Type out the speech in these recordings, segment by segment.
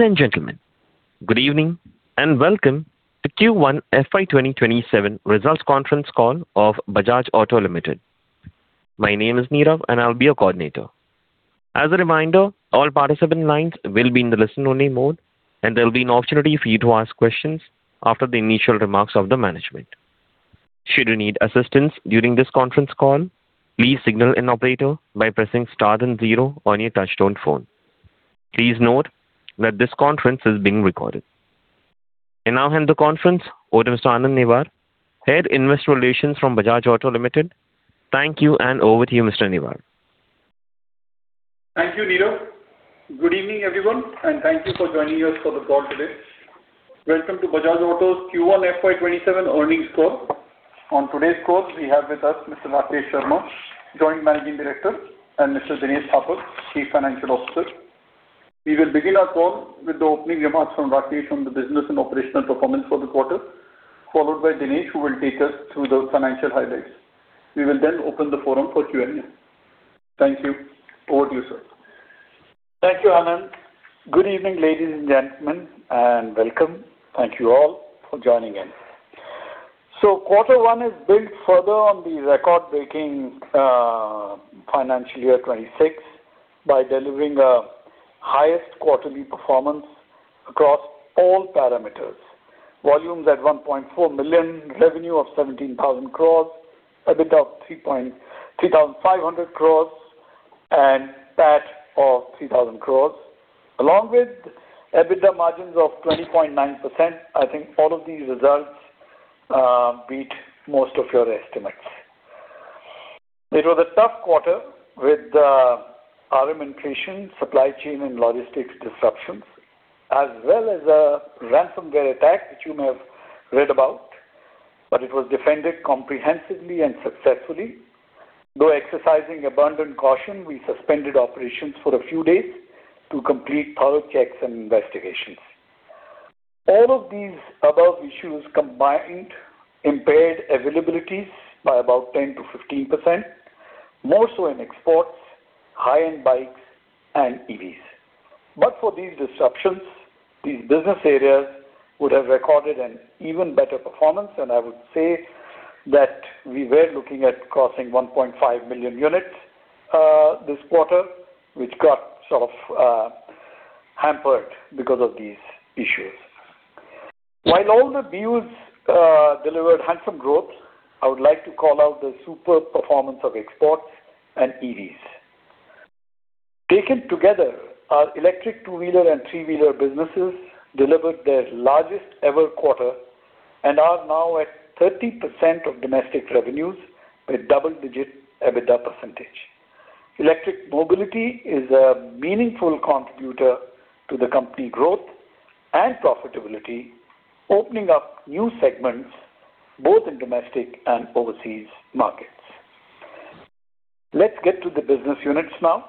Ladies and gentlemen, good evening and welcome to Q1 FY 2027 Results Conference Call of Bajaj Auto Limited. My name is Nirav and I will be your coordinator. As a reminder, all participant lines will be in the listen only mode and there will be an opportunity for you to ask questions after the initial remarks of the management. Should you need assistance during this conference call, please signal an operator by pressing star and zero on your touchtone phone. Please note that this conference is being recorded. I now hand the conference over to Mr. Anand Newar, Head, Investor Relations from Bajaj Auto Limited. Thank you and over to you, Mr. Newar. Thank you, Nirav. Good evening, everyone, and thank you for joining us for the call today. Welcome to Bajaj Auto's Q1 FY 2027 earnings call. On today's call we have with us Mr. Rakesh Sharma, Joint Managing Director, and Mr. Dinesh Thapar, Chief Financial Officer. We will begin our call with the opening remarks from Rakesh on the business and operational performance for the quarter, followed by Dinesh, who will take us through the financial highlights. We will then open the forum for Q&A. Thank you. Over to you, sir. Thank you, Anand. Good evening, ladies and gentlemen, and welcome. Thank you all for joining in. Quarter one is built further on the record-breaking financial year 2026 by delivering a highest quarterly performance across all parameters. Volumes at 1.4 million, revenue of 17,000 crores, EBITDA of 3,500 crores and PAT of 3,000 crores. Along with EBITDA margins of 20.9%, I think all of these results beat most of your estimates. It was a tough quarter with raw material inflation, supply chain and logistics disruptions, as well as a ransomware attack, which you may have read about, but it was defended comprehensively and successfully. Though exercising abundant caution, we suspended operations for a few days to complete thorough checks and investigations. All of these above issues combined impaired availabilities by about 10%-15%, more so in exports, high-end bikes and EVs. For these disruptions, these business areas would have recorded an even better performance and I would say that we were looking at crossing 1.5 million units this quarter, which got sort of hampered because of these issues. While all the BUs delivered handsome growth, I would like to call out the superb performance of exports and EVs. Taken together, our electric two-wheeler and three-wheeler businesses delivered their largest ever quarter and are now at 30% of domestic revenues with double-digit EBITDA percentage. Electric mobility is a meaningful contributor to the company growth and profitability, opening up new segments both in domestic and overseas markets. Let's get to the business units now.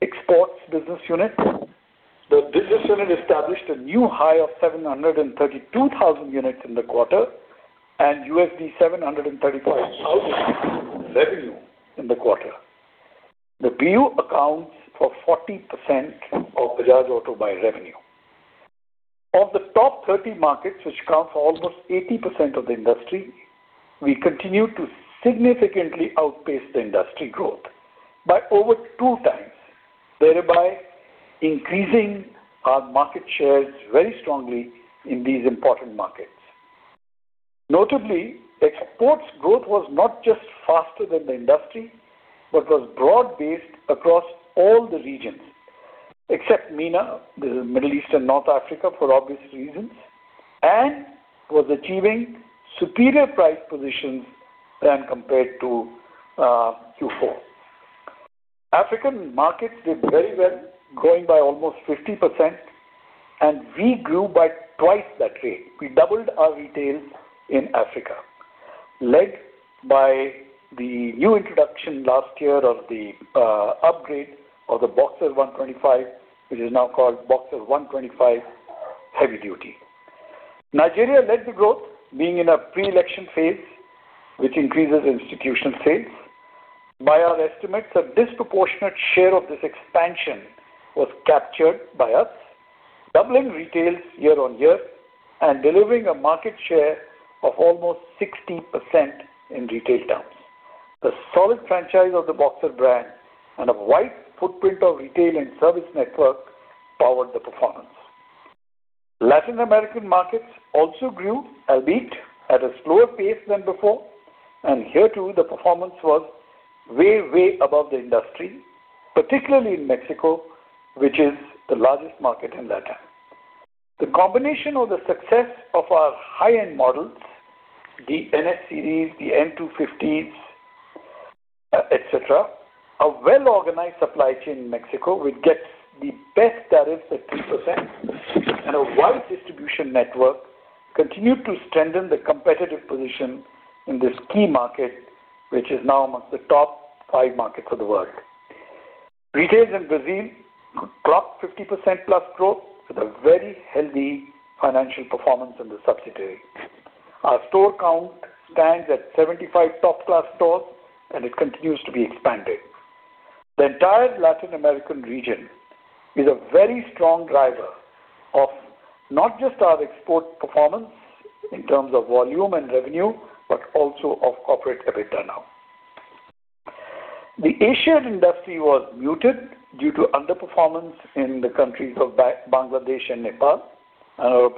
Exports business unit. The business unit established a new high of 732,000 units in the quarter and $735,000 revenue in the quarter. The BU accounts for 40% of Bajaj Auto by revenue. Of the top 30 markets, which account for almost 80% of the industry, we continue to significantly outpace the industry growth by over two times, thereby increasing our market shares very strongly in these important markets. Notably, exports growth was not just faster than the industry, but was broad-based across all the regions, except MENA, the Middle East and North Africa for obvious reasons, and was achieving superior price positions than compared to Q4. African markets did very well, growing by almost 50%, and we grew by twice that rate. We doubled our retails in Africa, led by the new introduction last year of the upgrade of the Boxer 125, which is now called Boxer 125 Heavy Duty. Nigeria led the growth, being in a pre-election phase, which increases institution sales. By our estimates, a disproportionate share of this expansion was captured by us, doubling retails year-over-year and delivering a market share of almost 60% in retail terms. The solid franchise of the Boxer brand and a wide footprint of retail and service network powered the performance. Latin American markets also grew, albeit at a slower pace than before, and here, too, the performance was way above the industry, particularly in Mexico, which is the largest market in LATAM. The combination of the success of our high-end models, the NS series, the N215s, et cetera, a well-organized supply chain in Mexico, which gets the best tariffs at 3%, and a wide distribution network continued to strengthen the competitive position in this key market, which is now amongst the top 5 markets of the world. Retails in Brazil clocked 50% plus growth with a very healthy financial performance in the subsidiary. Our store count stands at 75 top-class stores, and it continues to be expanded. The entire Latin American region is a very strong driver of not just our export performance in terms of volume and revenue, but also of corporate EBITDA now. The Asia industry was muted due to underperformance in the countries of Bangladesh and Nepal. A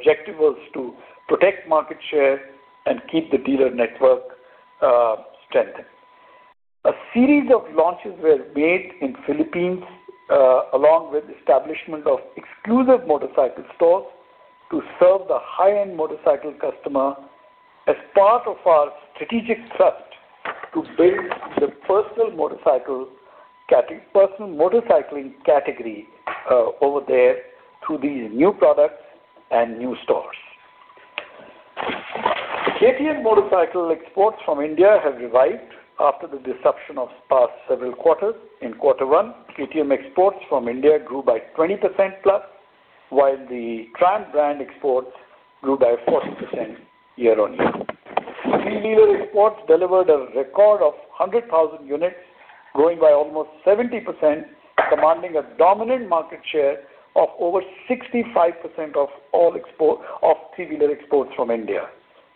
series of launches were made in Philippines, along with establishment of exclusive motorcycle stores to serve the high-end motorcycle customer as part of our strategic thrust to build the personal motorcycling category over there through these new products and new stores. KTM motorcycle exports from India have revived after the disruption of past several quarters. In Q1, KTM exports from India grew by 20%+, while the Triumph brand exports grew by 40% year-over-year. Three-wheeler exports delivered a record of 100,000 units, growing by almost 70%, commanding a dominant market share of over 65% of three-wheeler exports from India.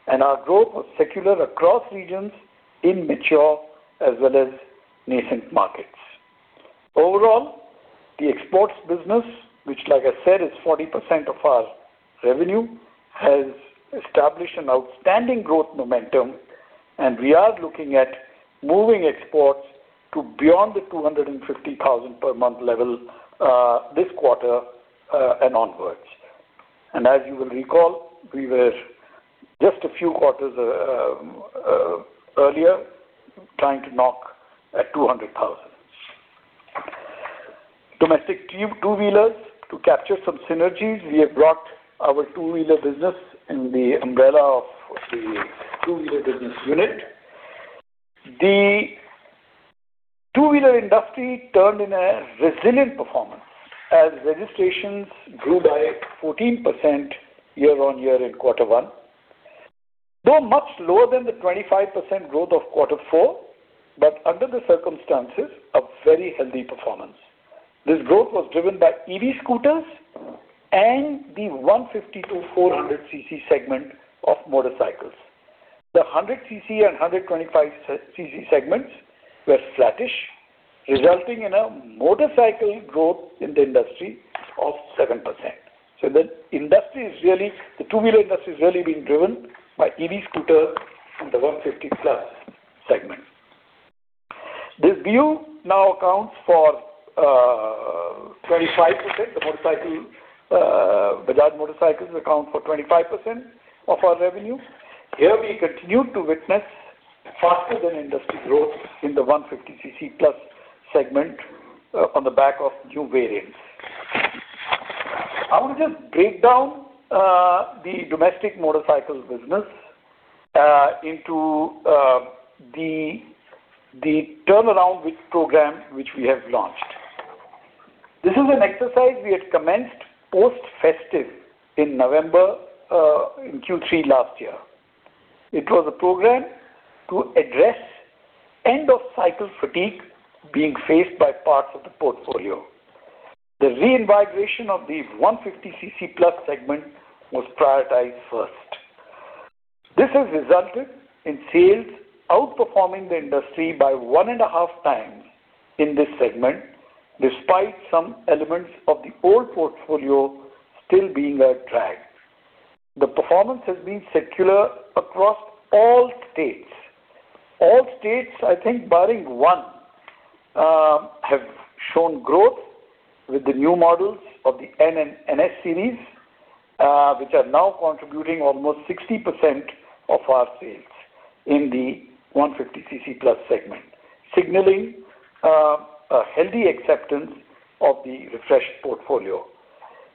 Our growth was secular across regions in mature as well as nascent markets. Overall, the exports business, which like I said, is 40% of our revenue, has established an outstanding growth momentum. We are looking at moving exports to beyond the 250,000 per month level this quarter and onwards. As you will recall, we were just a few quarters earlier trying to knock at 200,000. Domestic two-wheelers. To capture some synergies, we have brought our two-wheeler business in the umbrella of the two-wheeler business unit. The two-wheeler industry turned in a resilient performance as registrations grew by 14% year-on-year in Q1. Though much lower than the 25% growth of Q4, but under the circumstances, a very healthy performance. This growth was driven by EV scooters and the 150 to 400 cc segment of motorcycles. The 100 cc and 125 cc segments were flattish, resulting in a motorcycle growth in the industry of 7%. The two-wheeler industry is really being driven by EV scooters and the 150-plus segment. This view now accounts for 25%. Bajaj Motorcycles account for 25% of our revenue. Here we continue to witness faster-than-industry growth in the 150 cc-plus segment on the back of new variants. I want to just break down the domestic motorcycles business into the turnaround program which we have launched. This is an exercise we had commenced post-festive in November, in Q3 last year. It was a program to address end-of-cycle fatigue being faced by parts of the portfolio. The reinvigoration of the 150 cc+ segment was prioritized first. This has resulted in sales outperforming the industry by one and a half times in this segment, despite some elements of the old portfolio still being a drag. The performance has been secular across all states. All states, I think barring one, have shown growth with the new models of the N and NS series, which are now contributing almost 60% of our sales in the 150 cc+ segment, signaling a healthy acceptance of the refreshed portfolio.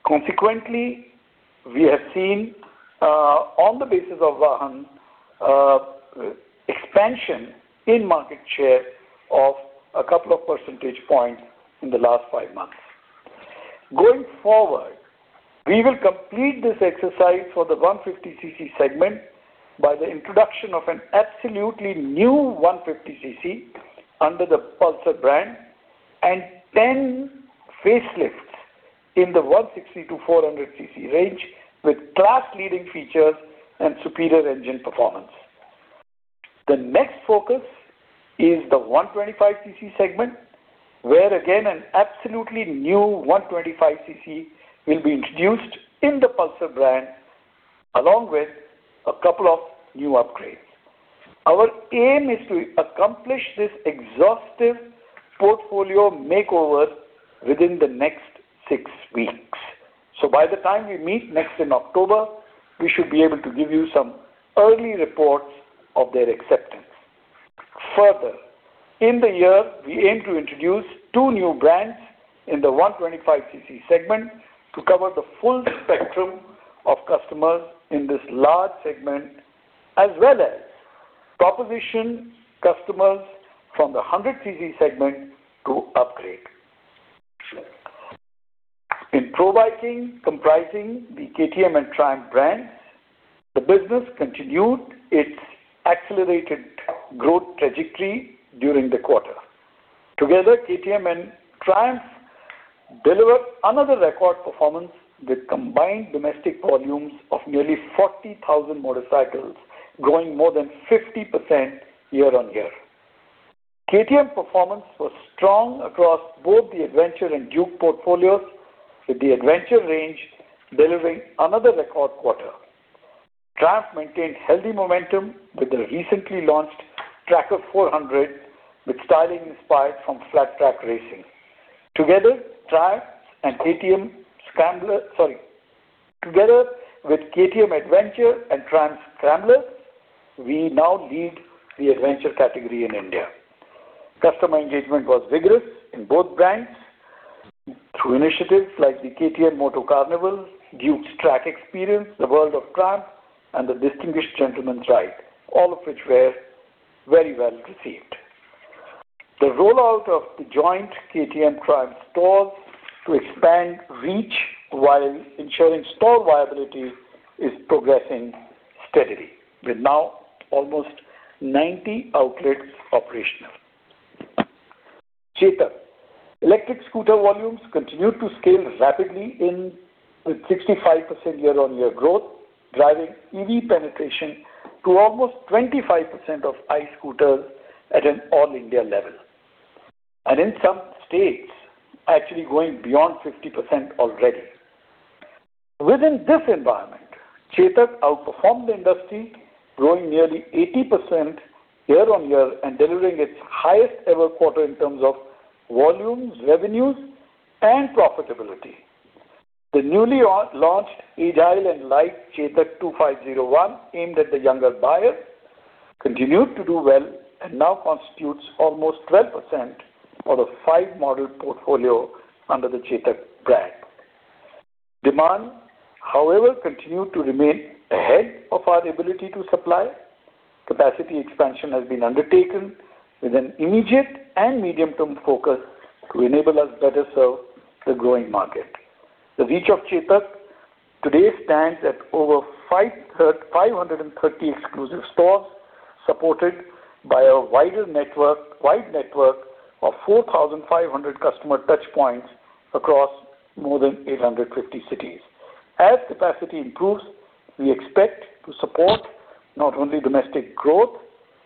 Consequently, we have seen, on the basis of Vahan, expansion in market share of a couple of percentage points in the last five months. Going forward, we will complete this exercise for the 150 cc segment by the introduction of an absolutely new 150 cc under the Pulsar brand and 10 facelifts in the 160 to 400 cc range with class-leading features and superior engine performance. The next focus is the 125 cc segment, where again, an absolutely new 125 cc will be introduced in the Pulsar brand, along with a couple of new upgrades. Our aim is to accomplish this exhaustive portfolio makeover within the next six weeks. By the time we meet next in October, we should be able to give you some early reports of their acceptance. Further, in the year, we aim to introduce two new brands in the 125 cc segment to cover the full spectrum of customers in this large segment, as well as proposition customers from the 100 cc segment to upgrade. In Pro Biking, comprising the KTM and Triumph brands, the business continued its accelerated growth trajectory during the quarter. Together, KTM and Triumph delivered another record performance with combined domestic volumes of nearly 40,000 motorcycles, growing more than 50% year-on-year. KTM performance was strong across both the Adventure and Duke portfolios, with the Adventure range delivering another record quarter. Triumph maintained healthy momentum with the recently launched Tracker 400, with styling inspired from flat-track racing. Together with KTM Adventure and Triumph Scrambler, we now lead the adventure category in India. Customer engagement was vigorous in both brands through initiatives like the KTM Moto Carnivals, Duke's Track Experience, The World of Triumph, and the Distinguished Gentleman's Ride, all of which were very well received. The rollout of the joint KTM Triumph stores to expand reach while ensuring store viability is progressing steadily, with now almost 90 outlets operational. Chetak. Electric scooter volumes continued to scale rapidly with 65% year-on-year growth, driving EV penetration to almost 25% of ICE scooters at an all-India level. In some states, actually going beyond 50% already. Within this environment, Chetak outperformed the industry, growing nearly 80% year-on-year and delivering its highest-ever quarter in terms of volumes, revenues, and profitability. The newly launched agile and light Chetak 2501, aimed at the younger buyer, continued to do well and now constitutes almost 12% of the 5-model portfolio under the Chetak brand. Demand, however, continued to remain ahead of our ability to supply. Capacity expansion has been undertaken with an immediate and medium-term focus to enable us to better serve the growing market. The reach of Chetak today stands at over 530 exclusive stores, supported by a wide network of 4,500 customer touchpoints across more than 850 cities. As capacity improves, we expect to support not only domestic growth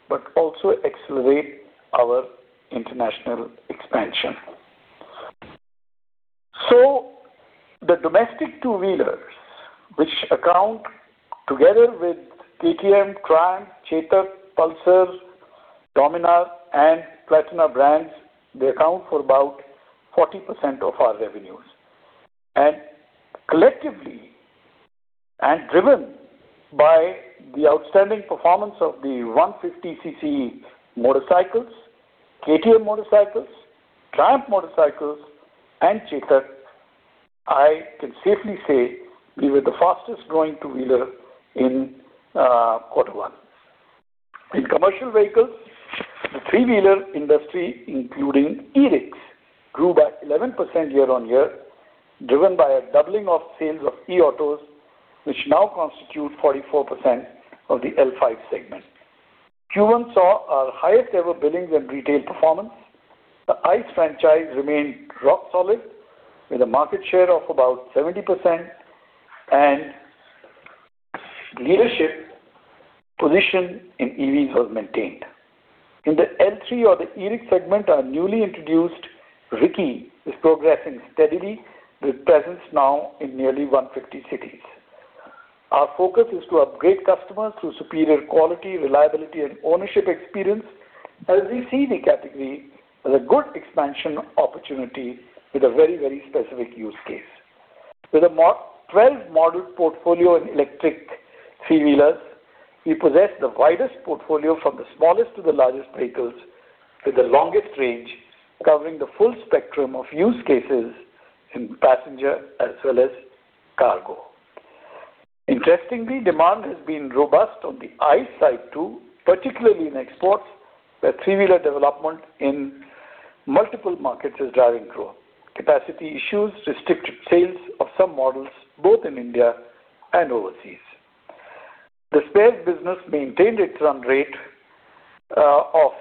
but also accelerate our international expansion. The domestic two-wheelers, together with KTM, Triumph, Chetak, Pulsar, Dominar, and Platina brands, account for about 40% of our revenues. Collectively, and driven by the outstanding performance of the 150cc motorcycles, KTM motorcycles, Triumph motorcycles, and Chetak, I can safely say we were the fastest-growing two-wheeler in quarter one. In commercial vehicles, the three-wheeler industry, including e-rickshaws, grew by 11% year-on-year, driven by a doubling of sales of e-autos, which now constitute 44% of the L5 segment. Q1 saw our highest-ever billings and retail performance. The ICE franchise remained rock solid with a market share of about 70%, and leadership position in EVs was maintained. In the L3 or the e-rickshaw segment, our newly introduced Riki is progressing steadily with presence now in nearly 150 cities. Our focus is to upgrade customers through superior quality, reliability, and ownership experience, as we see the category as a good expansion opportunity with a very specific use case. With a 12-model portfolio in electric three-wheelers, we possess the widest portfolio from the smallest to the largest vehicles with the longest range, covering the full spectrum of use cases in passenger as well as cargo. Interestingly, demand has been robust on the ICE side too, particularly in exports, where three-wheeler development in multiple markets is driving growth. Capacity issues restricted sales of some models, both in India and overseas. The spares business maintained its run rate of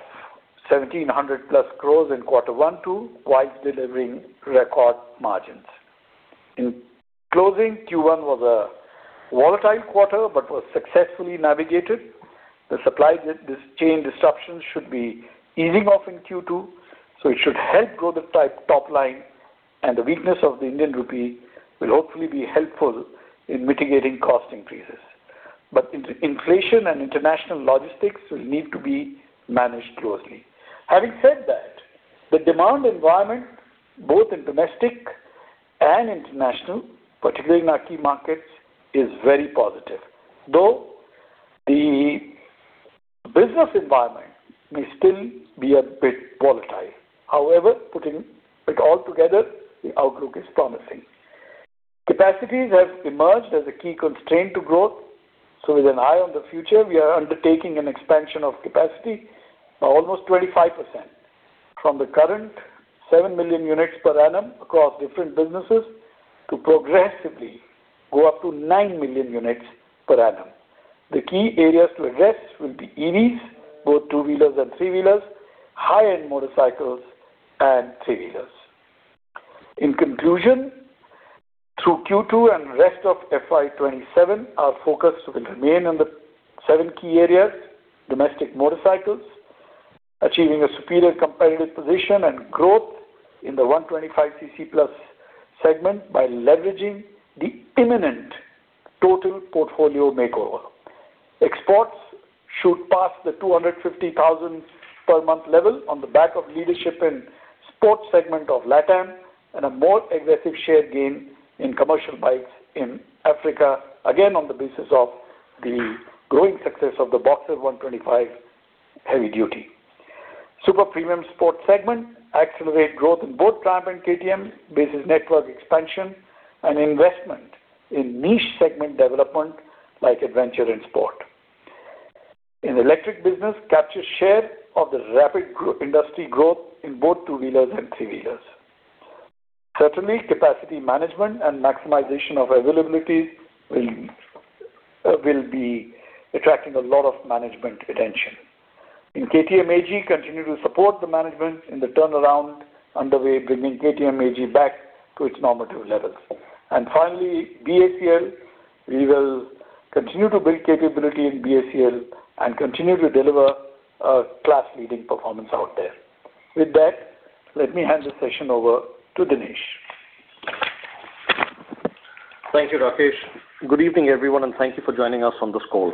1,700+ crores in Q1 too, whilst delivering record margins. In closing, Q1 was a volatile quarter but was successfully navigated. The supply chain disruptions should be easing off in Q2, it should help grow the top line, and the weakness of the Indian rupee will hopefully be helpful in mitigating cost increases. Inflation and international logistics will need to be managed closely. Having said that, the demand environment, both in domestic and international, particularly in our key markets, is very positive, though the business environment may still be a bit volatile. However, putting it all together, the outlook is promising. Capacities have emerged as a key constraint to growth. With an eye on the future, we are undertaking an expansion of capacity by almost 25%, from the current 7 million units per annum across different businesses to progressively go up to 9 million units per annum. The key areas to address will be EVs, both two-wheelers and three-wheelers, high-end motorcycles, and three-wheelers. In conclusion, through Q2 and rest of FY 2027, our focus will remain on the seven key areas. Domestic motorcycles, achieving a superior competitive position and growth in the 125cc+ segment by leveraging the imminent total portfolio makeover. Exports should pass the 250,000 per month level on the back of leadership in sports segment of LATAM and a more aggressive share gain in commercial bikes in Africa, again, on the basis of the growing success of the Boxer 125 heavy duty. Super premium sports segment, accelerate growth in both Triumph and KTM, business network expansion, and investment in niche segment development like Adventure and sport. In electric business, capture share of the rapid industry growth in both two-wheelers and three-wheelers. Certainly, capacity management and maximization of availability will be attracting a lot of management attention. In KTM AG, continue to support the management in the turnaround underway, bringing KTM AG back to its normative levels. Finally, BACL, we will continue to build capability in BACL and continue to deliver a class-leading performance out there. With that, let me hand the session over to Dinesh. Thank you, Rakesh. Good evening, everyone, and thank you for joining us on this call.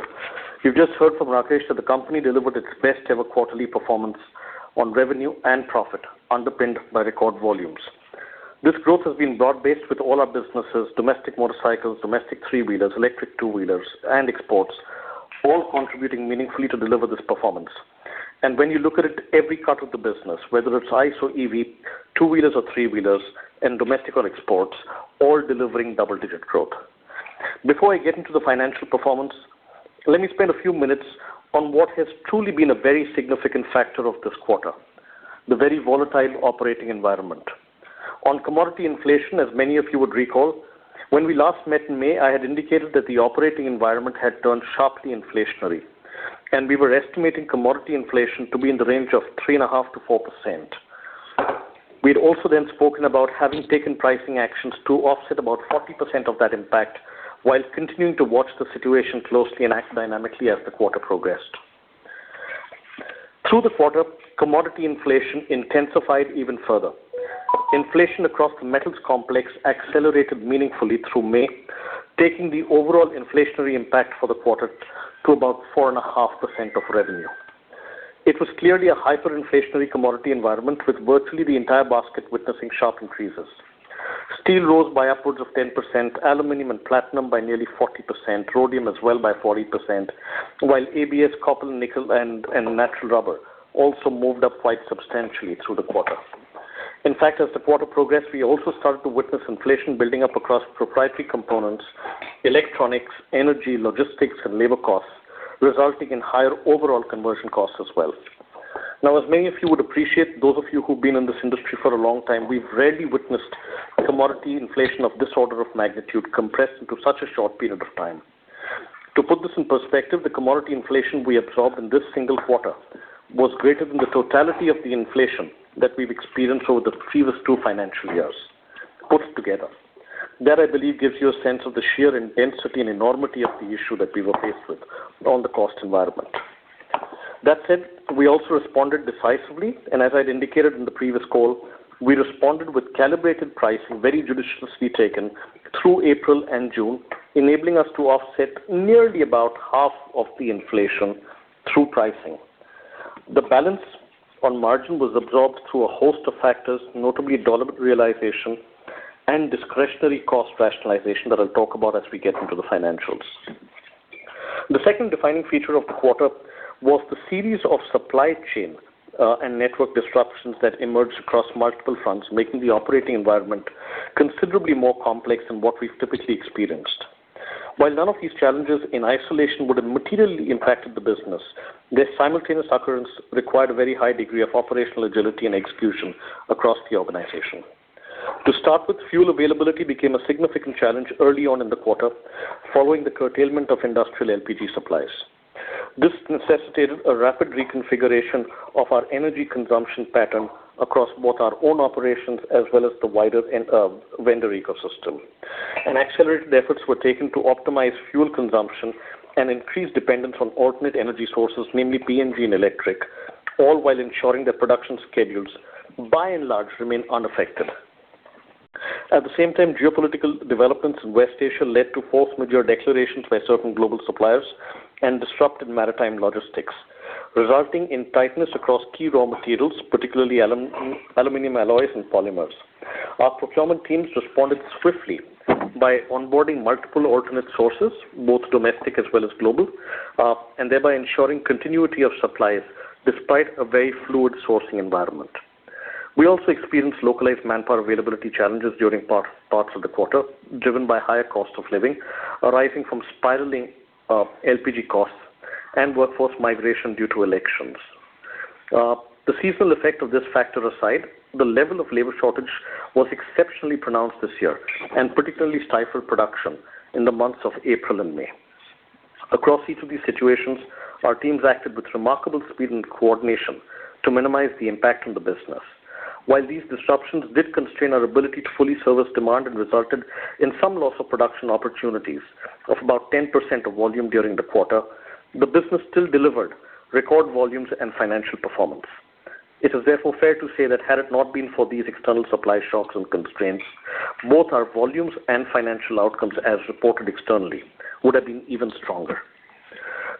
You've just heard from Rakesh that the company delivered its best-ever quarterly performance on revenue and profit, underpinned by record volumes. This growth has been broad-based with all our businesses, domestic motorcycles, domestic three-wheelers, electric two-wheelers, and exports, all contributing meaningfully to deliver this performance. When you look at it, every cut of the business, whether it's ICE or EV, two-wheelers or three-wheelers, and domestic or exports, all delivering double-digit growth. Before I get into the financial performance, let me spend a few minutes on what has truly been a very significant factor of this quarter, the very volatile operating environment. On commodity inflation, as many of you would recall, when we last met in May, I had indicated that the operating environment had turned sharply inflationary, and we were estimating commodity inflation to be in the range of 3.5%-4%. We had also then spoken about having taken pricing actions to offset about 40% of that impact while continuing to watch the situation closely and act dynamically as the quarter progressed. Through the quarter, commodity inflation intensified even further. Inflation across the metals complex accelerated meaningfully through May, taking the overall inflationary impact for the quarter to about 4.5% of revenue. It was clearly a hyperinflationary commodity environment, with virtually the entire basket witnessing sharp increases. Steel rose by upwards of 10%, aluminum and platinum by nearly 40%, rhodium as well by 40%, while ABS, copper, nickel, and natural rubber also moved up quite substantially through the quarter. In fact, as the quarter progressed, we also started to witness inflation building up across proprietary components, electronics, energy, logistics, and labor costs, resulting in higher overall conversion costs as well. Now, as many of you would appreciate, those of you who've been in this industry for a long time, we've rarely witnessed commodity inflation of this order of magnitude compressed into such a short period of time. To put this in perspective, the commodity inflation we absorbed in this single quarter was greater than the totality of the inflation that we've experienced over the previous two financial years put together. That, I believe, gives you a sense of the sheer intensity and enormity of the issue that we were faced with on the cost environment. That said, we also responded decisively, as I'd indicated in the previous call, we responded with calibrated pricing, very judiciously taken through April and June, enabling us to offset nearly about half of the inflation through pricing. The balance on margin was absorbed through a host of factors, notably dollar realization and discretionary cost rationalization that I'll talk about as we get into the financials. The second defining feature of the quarter was the series of supply chain and network disruptions that emerged across multiple fronts, making the operating environment considerably more complex than what we've typically experienced. While none of these challenges in isolation would have materially impacted the business, their simultaneous occurrence required a very high degree of operational agility and execution across the organization. To start with, fuel availability became a significant challenge early on in the quarter, following the curtailment of industrial LPG supplies. This necessitated a rapid reconfiguration of our energy consumption pattern across both our own operations as well as the wider vendor ecosystem. Accelerated efforts were taken to optimize fuel consumption and increase dependence on alternate energy sources, namely CNG and electric, all while ensuring that production schedules by and large remain unaffected. At the same time, geopolitical developments in West Asia led to force majeure declarations by certain global suppliers and disrupted maritime logistics, resulting in tightness across key raw materials, particularly aluminum alloys and polymers. Our procurement teams responded swiftly by onboarding multiple alternate sources, both domestic as well as global, and thereby ensuring continuity of supplies despite a very fluid sourcing environment. We also experienced localized manpower availability challenges during parts of the quarter, driven by higher cost of living arising from spiraling LPG costs and workforce migration due to elections. The seasonal effect of this factor aside, the level of labor shortage was exceptionally pronounced this year and particularly stifled production in the months of April and May. Across each of these situations, our teams acted with remarkable speed and coordination to minimize the impact on the business. While these disruptions did constrain our ability to fully service demand and resulted in some loss of production opportunities of about 10% of volume during the quarter, the business still delivered record volumes and financial performance. It is therefore fair to say that had it not been for these external supply shocks and constraints, both our volumes and financial outcomes, as reported externally, would have been even stronger.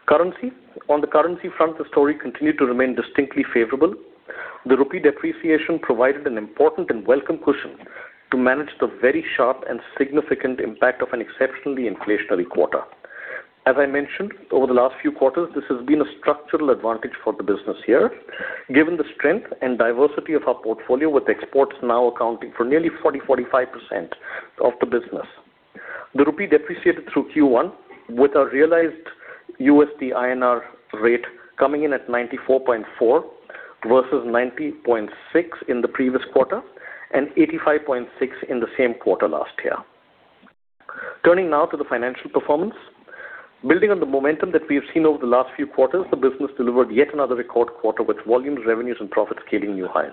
On the currency front, the story continued to remain distinctly favorable. The rupee depreciation provided an important and welcome cushion to manage the very sharp and significant impact of an exceptionally inflationary quarter. As I mentioned, over the last few quarters, this has been a structural advantage for the business here. Given the strength and diversity of our portfolio, with exports now accounting for nearly 40%-45% of the business. The rupee depreciated through Q1 with our realized USD INR rate coming in at 94.4 versus 90.6 in the previous quarter and 85.6 in the same quarter last year. Turning now to the financial performance. Building on the momentum that we have seen over the last few quarters, the business delivered yet another record quarter with volumes, revenues and profits hitting new highs.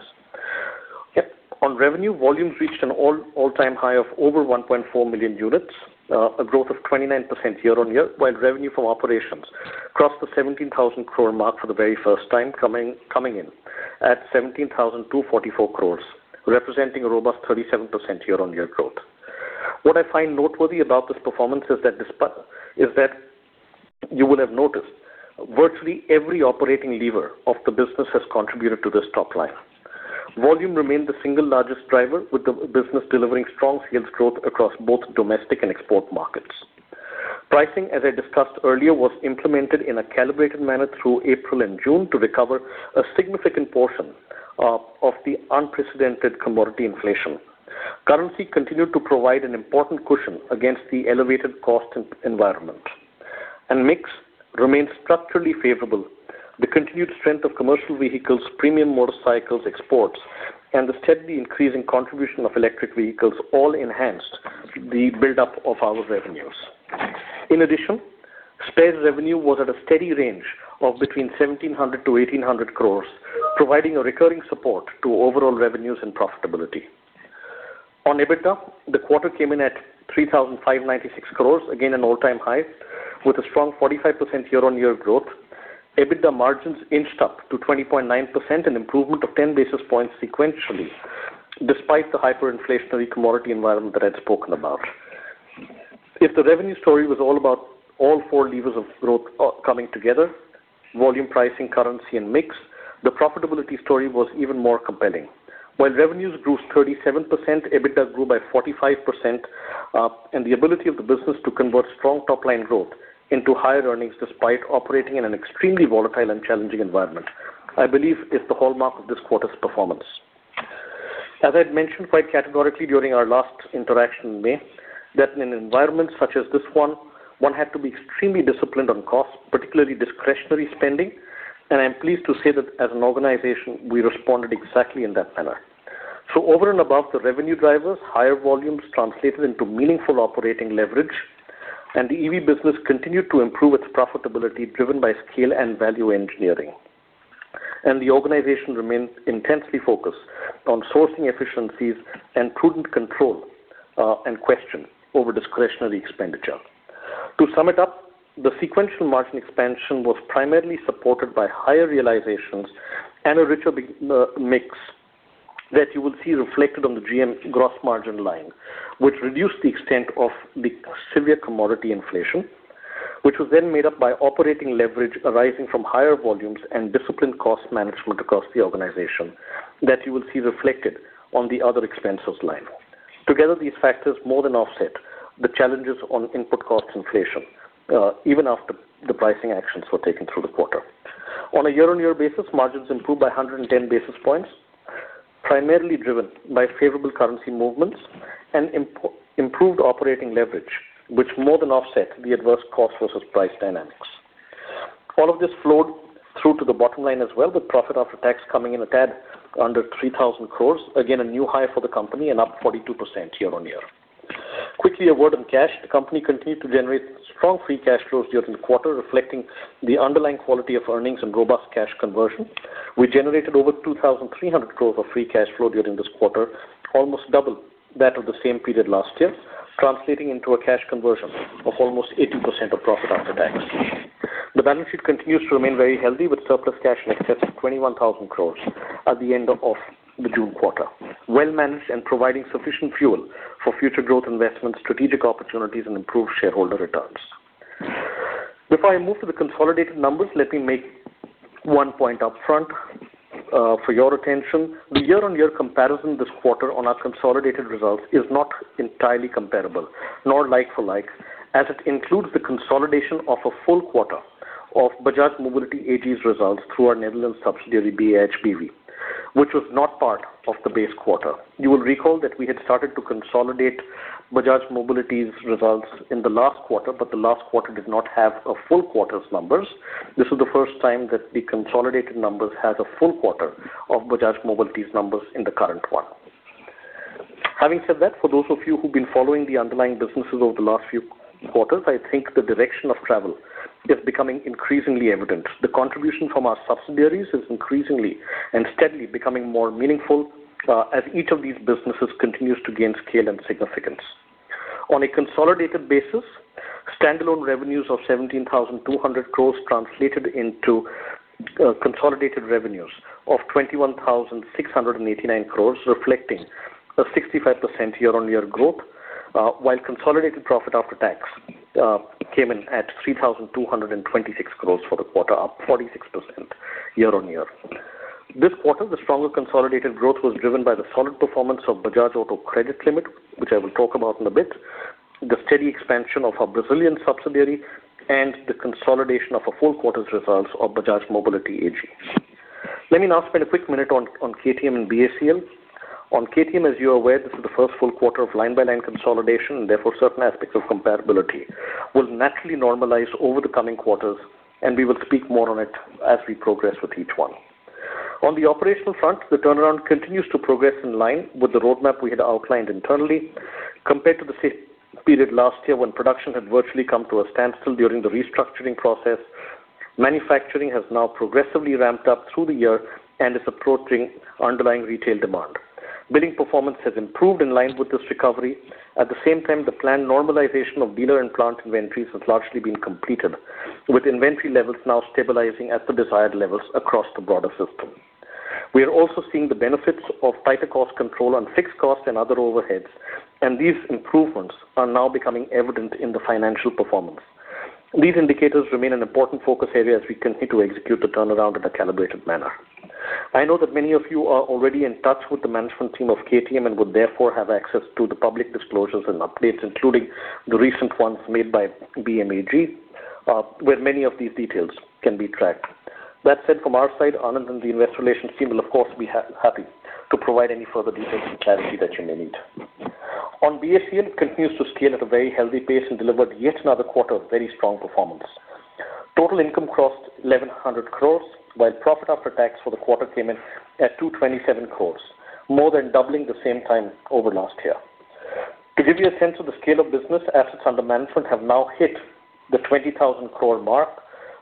On revenue, volumes reached an all-time high of over 1.4 million units, a growth of 29% year-on-year, while revenue from operations crossed the 17,000 crore mark for the very first time, coming in at 17,244 crore, representing a robust 37% year-on-year growth. What I find noteworthy about this performance is that you will have noticed virtually every operating lever of the business has contributed to this topline. Volume remained the single largest driver, with the business delivering strong sales growth across both domestic and export markets. Pricing, as I discussed earlier, was implemented in a calibrated manner through April and June to recover a significant portion of the unprecedented commodity inflation. Currency continued to provide an important cushion against the elevated cost environment, and mix remained structurally favorable. The continued strength of commercial vehicles, premium motorcycles, exports, and the steadily increasing contribution of electric vehicles all enhanced the buildup of our revenues. In addition, spares revenue was at a steady range of between 1,700 crore-1,800 crore, providing a recurring support to overall revenues and profitability. On EBITDA, the quarter came in at 3,596 crore, again an all-time high with a strong 45% year-on-year growth. EBITDA margins inched up to 20.9%, an improvement of 10 basis points sequentially, despite the hyperinflationary commodity environment that I'd spoken about. If the revenue story was all about all four levers of growth coming together, volume, pricing, currency, and mix, the profitability story was even more compelling. While revenues grew 37%, EBITDA grew by 45%, and the ability of the business to convert strong topline growth into higher earnings despite operating in an extremely volatile and challenging environment, I believe is the hallmark of this quarter's performance. As I'd mentioned quite categorically during our last interaction in May, that in an environment such as this one had to be extremely disciplined on cost, particularly discretionary spending. I'm pleased to say that as an organization, we responded exactly in that manner. Over and above the revenue drivers, higher volumes translated into meaningful operating leverage, and the EV business continued to improve its profitability, driven by scale and value engineering. The organization remains intensely focused on sourcing efficiencies and prudent control over discretionary expenditure. To sum it up, the sequential margin expansion was primarily supported by higher realizations and a richer mix that you will see reflected on the gross margin line, which reduced the extent of the severe commodity inflation, which was then made up by operating leverage arising from higher volumes and disciplined cost management across the organization that you will see reflected on the other expenses line. Together, these factors more than offset the challenges on input cost inflation, even after the pricing actions were taken through the quarter. On a year-on-year basis, margins improved by 110 basis points, primarily driven by favorable currency movements and improved operating leverage, which more than offset the adverse cost versus price dynamics. All of this flowed through to the bottom line as well, with profit after tax coming in a tad under 3,000 crores. Again, a new high for the company and up 42% year-on-year. Quickly, a word on cash. The company continued to generate strong free cash flows during the quarter, reflecting the underlying quality of earnings and robust cash conversion. We generated over 2,300 crores of free cash flow during this quarter, almost double that of the same period last year, translating into a cash conversion of almost 80% of profit after tax. The balance sheet continues to remain very healthy, with surplus cash in excess of 21,000 crores at the end of the June quarter, well managed and providing sufficient fuel for future growth investments, strategic opportunities and improved shareholder returns. Before I move to the consolidated numbers, let me make one point up front for your attention. The year-on-year comparison this quarter on our consolidated results is not entirely comparable nor like for like, as it includes the consolidation of a full quarter of Bajaj Mobility AG's results through our Netherlands subsidiary, BAHBV, which was not part of the base quarter. You will recall that we had started to consolidate Bajaj Mobility's results in the last quarter, but the last quarter did not have a full quarter's numbers. This is the first time that the consolidated numbers has a full quarter of Bajaj Mobility's numbers in the current one. Having said that, for those of you who've been following the underlying businesses over the last few quarters, I think the direction of travel is becoming increasingly evident. The contribution from our subsidiaries is increasingly and steadily becoming more meaningful, as each of these businesses continues to gain scale and significance. On a consolidated basis, standalone revenues of 17,200 crores translated into consolidated revenues of 21,689 crores, reflecting a 65% year-on-year growth, while consolidated profit after tax came in at 3,226 crores for the quarter, up 46% year-on-year. This quarter, the stronger consolidated growth was driven by the solid performance of Bajaj Auto Credit Limited, which I will talk about in a bit, the steady expansion of our Brazilian subsidiary, and the consolidation of a full quarter's results of Bajaj Mobility AG. Let me now spend a quick minute on KTM and BACL. On KTM, as you are aware, this is the first full quarter of line-by-line consolidation, and therefore, certain aspects of comparability will naturally normalize over the coming quarters, and we will speak more on it as we progress with each one. On the operational front, the turnaround continues to progress in line with the roadmap we had outlined internally. Compared to the same period last year, when production had virtually come to a standstill during the restructuring process, manufacturing has now progressively ramped up through the year and is approaching underlying retail demand. Billing performance has improved in line with this recovery. At the same time, the planned normalization of dealer and plant inventories has largely been completed, with inventory levels now stabilizing at the desired levels across the broader system. We are also seeing the benefits of tighter cost control on fixed costs and other overheads. These improvements are now becoming evident in the financial performance. These indicators remain an important focus area as we continue to execute the turnaround in a calibrated manner. I know that many of you are already in touch with the management team of KTM and would therefore have access to the public disclosures and updates, including the recent ones made by BMAG, where many of these details can be tracked. That said, from our side, Anand and the investor relations team will of course be happy to provide any further details and clarity that you may need. On BACL, it continues to scale at a very healthy pace and delivered yet another quarter of very strong performance. Total income crossed 1,100 crore, while profit after tax for the quarter came in at 227 crore, more than doubling the same time over last year. To give you a sense of the scale of business, assets under management have now hit the 20,000 crore mark,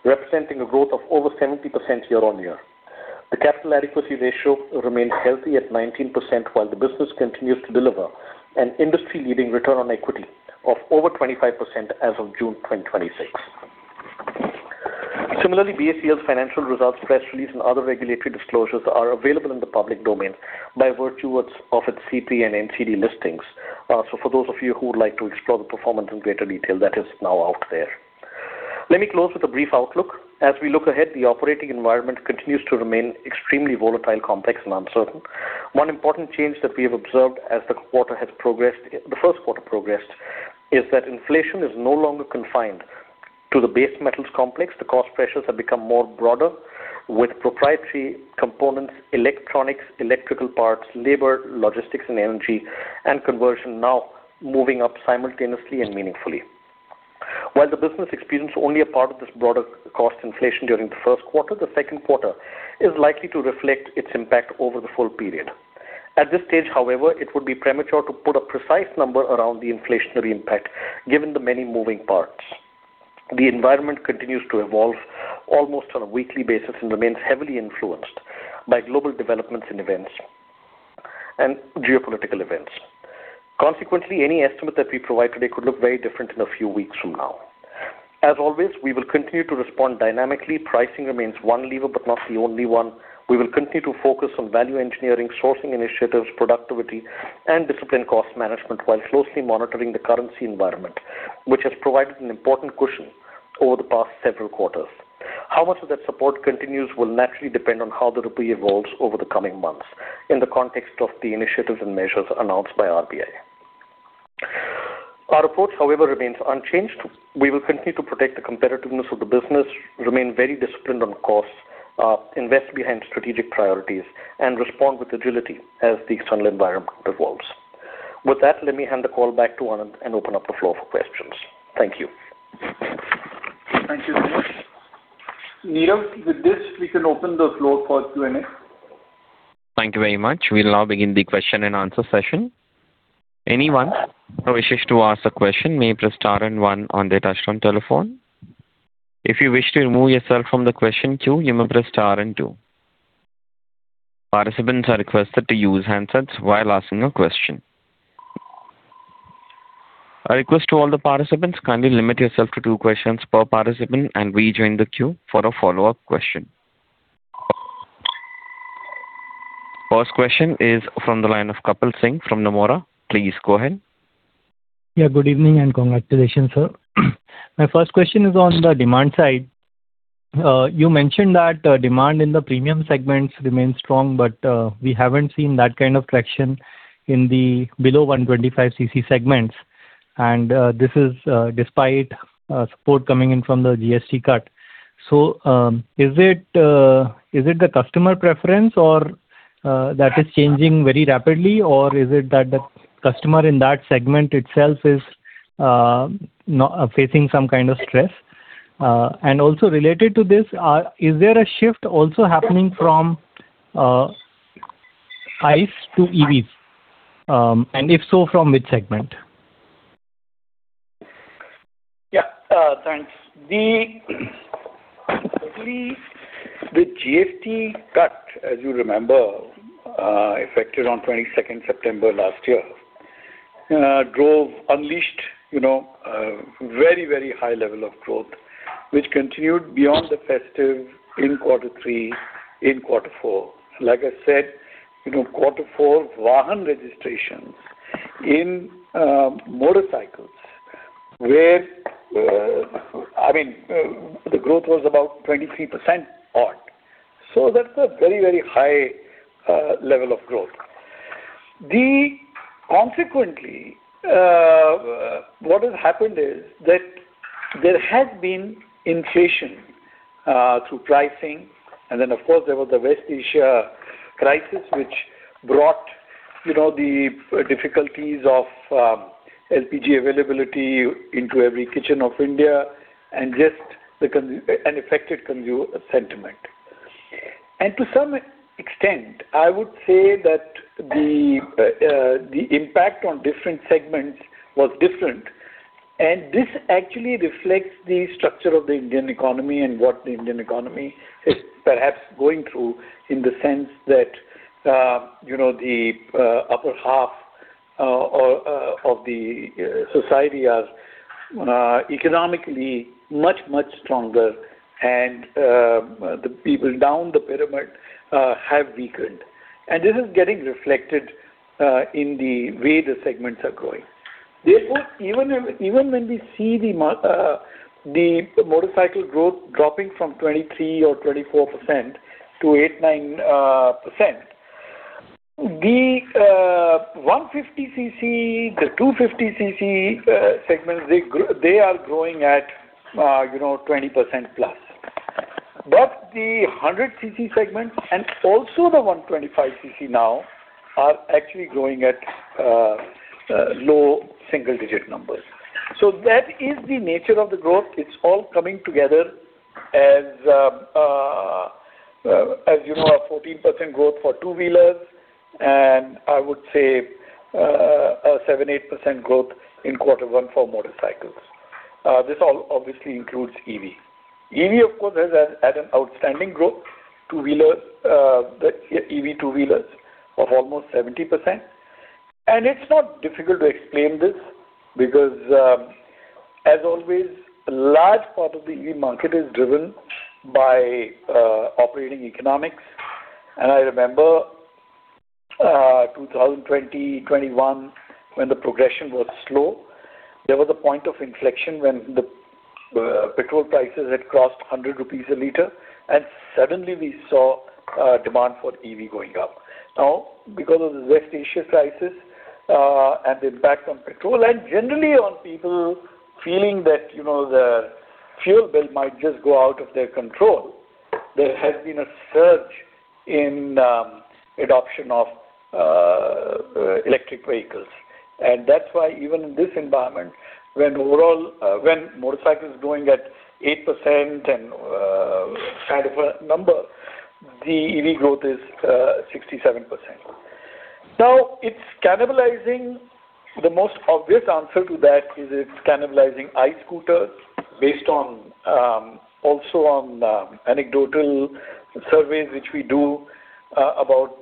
representing a growth of over 70% year-over-year. The capital adequacy ratio remains healthy at 19%, while the business continues to deliver an industry-leading return on equity of over 25% as of June 2026. Similarly, BACL's financial results press release and other regulatory disclosures are available in the public domain by virtue of its CP and NCD listings. For those of you who would like to explore the performance in greater detail, that is now out there. Let me close with a brief outlook. As we look ahead, the operating environment continues to remain extremely volatile, complex and uncertain. One important change that we have observed as the first quarter progressed, is that inflation is no longer confined to the base metals complex. The cost pressures have become more broader with proprietary components, electronics, electrical parts, labor, logistics and energy, and conversion now moving up simultaneously and meaningfully. While the business experienced only a part of this broader cost inflation during the first quarter, the second quarter is likely to reflect its impact over the full period. At this stage, however, it would be premature to put a precise number around the inflationary impact, given the many moving parts. The environment continues to evolve almost on a weekly basis and remains heavily influenced by global developments and geopolitical events. Consequently, any estimate that we provide today could look very different in a few weeks from now. As always, we will continue to respond dynamically. Pricing remains one lever, but not the only one. We will continue to focus on value engineering, sourcing initiatives, productivity, and disciplined cost management while closely monitoring the currency environment, which has provided an important cushion over the past several quarters. How much of that support continues will naturally depend on how the rupee evolves over the coming months in the context of the initiatives and measures announced by RBI. Our approach, however, remains unchanged. We will continue to protect the competitiveness of the business, remain very disciplined on costs, invest behind strategic priorities, and respond with agility as the external environment evolves. With that, let me hand the call back to Anand and open up the floor for questions. Thank you. Thank you, Dinesh. Nirav, with this, we can open the floor for Q&A. Thank you very much. We'll now begin the question and answer session. Anyone who wishes to ask a question may press star and one on their touchtone telephone. If you wish to remove yourself from the question queue, you may press star and two. Participants are requested to use handsets while asking a question. A request to all the participants, kindly limit yourself to two questions per participant, and rejoin the queue for a follow-up question. First question is from the line of Kapil Singh from Nomura. Please go ahead. Yeah, good evening. Congratulations, sir. My first question is on the demand side. You mentioned that demand in the premium segments remains strong, we haven't seen that kind of traction in the below 125cc segments. This is despite support coming in from the GST cut. Is it the customer preference or that is changing very rapidly, or is it that the customer in that segment itself is facing some kind of stress? Also related to this, is there a shift also happening from ICE to EVs? If so, from which segment? Yeah. Thanks. The GST cut, as you remember, affected on 22nd September last year, unleashed very high level of growth, which continued beyond the festive in quarter three, in quarter four. Like I said, quarter four, Vahan registrations in motorcycles, the growth was about 23% odd. That's a very high level of growth. Consequently, what has happened is that there has been inflation through pricing, then, of course, there was the West Asia crisis, which brought the difficulties of LPG availability into every kitchen of India and affected consumer sentiment. To some extent, I would say that the impact on different segments was different, and this actually reflects the structure of the Indian economy and what the Indian economy is perhaps going through in the sense that the upper half of the society are economically much stronger and the people down the pyramid have weakened. This is getting reflected in the way the segments are growing. Even when we see the motorcycle growth dropping from 23% or 24% to 8%-9%, the 150cc, the 250cc segments, they are growing at 20% plus. The 100cc segment and also the 125cc now are actually growing at low single-digit numbers. That is the nature of the growth. It's all coming together as a 14% growth for two-wheelers, and I would say a 7%-8% growth in quarter one for motorcycles. This all obviously includes EV. EV, of course, has had an outstanding growth, EV two-wheelers of almost 70%. It's not difficult to explain this because, as always, a large part of the EV market is driven by operating economics. I remember 2020, 2021, when the progression was slow. There was a point of inflection when the petrol prices had crossed 100 rupees a liter, suddenly we saw demand for EV going up. Because of the West Asia crisis and impact on petrol and generally on people feeling that the fuel bill might just go out of their control, there has been a surge in adoption of electric vehicles. That's why even in this environment, when motorcycles are growing at 8% and kind of a number, the EV growth is 67%. The most obvious answer to that is it's cannibalizing ICE scooter based also on anecdotal surveys which we do about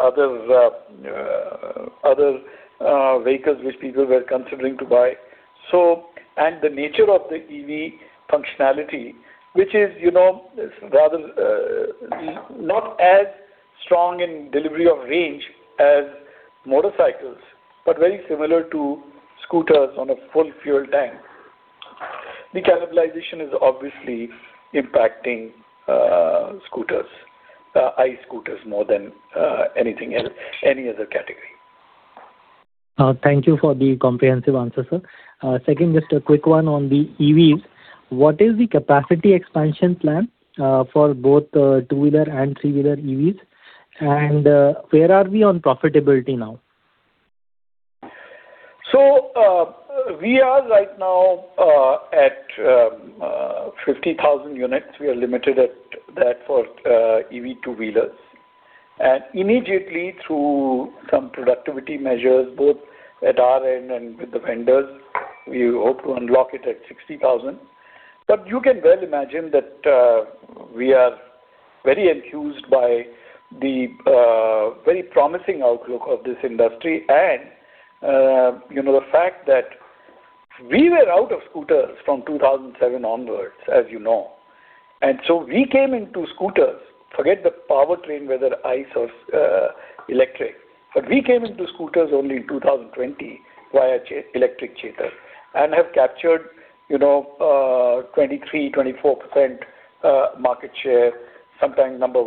other vehicles which people were considering to buy. The nature of the EV functionality, which is not as strong in delivery of range as motorcycles, but very similar to scooters on a full fuel tank. The cannibalization is obviously impacting ICE scooters more than any other category. Thank you for the comprehensive answer, sir. Just a quick one on the EVs. What is the capacity expansion plan for both two-wheeler and three-wheeler EVs, and where are we on profitability now? We are right now at 50,000 units. We are limited at that for EV two-wheelers. Immediately through some productivity measures, both at our end and with the vendors, we hope to unlock it at 60,000. But you can well imagine that we are very enthused by the very promising outlook of this industry and the fact that we were out of scooters from 2007 onwards, as you know. We came into scooters, forget the powertrain, whether ICE or electric. But we came into scooters only in 2020 via electric Chetak and have captured 23%-24% market share, sometimes number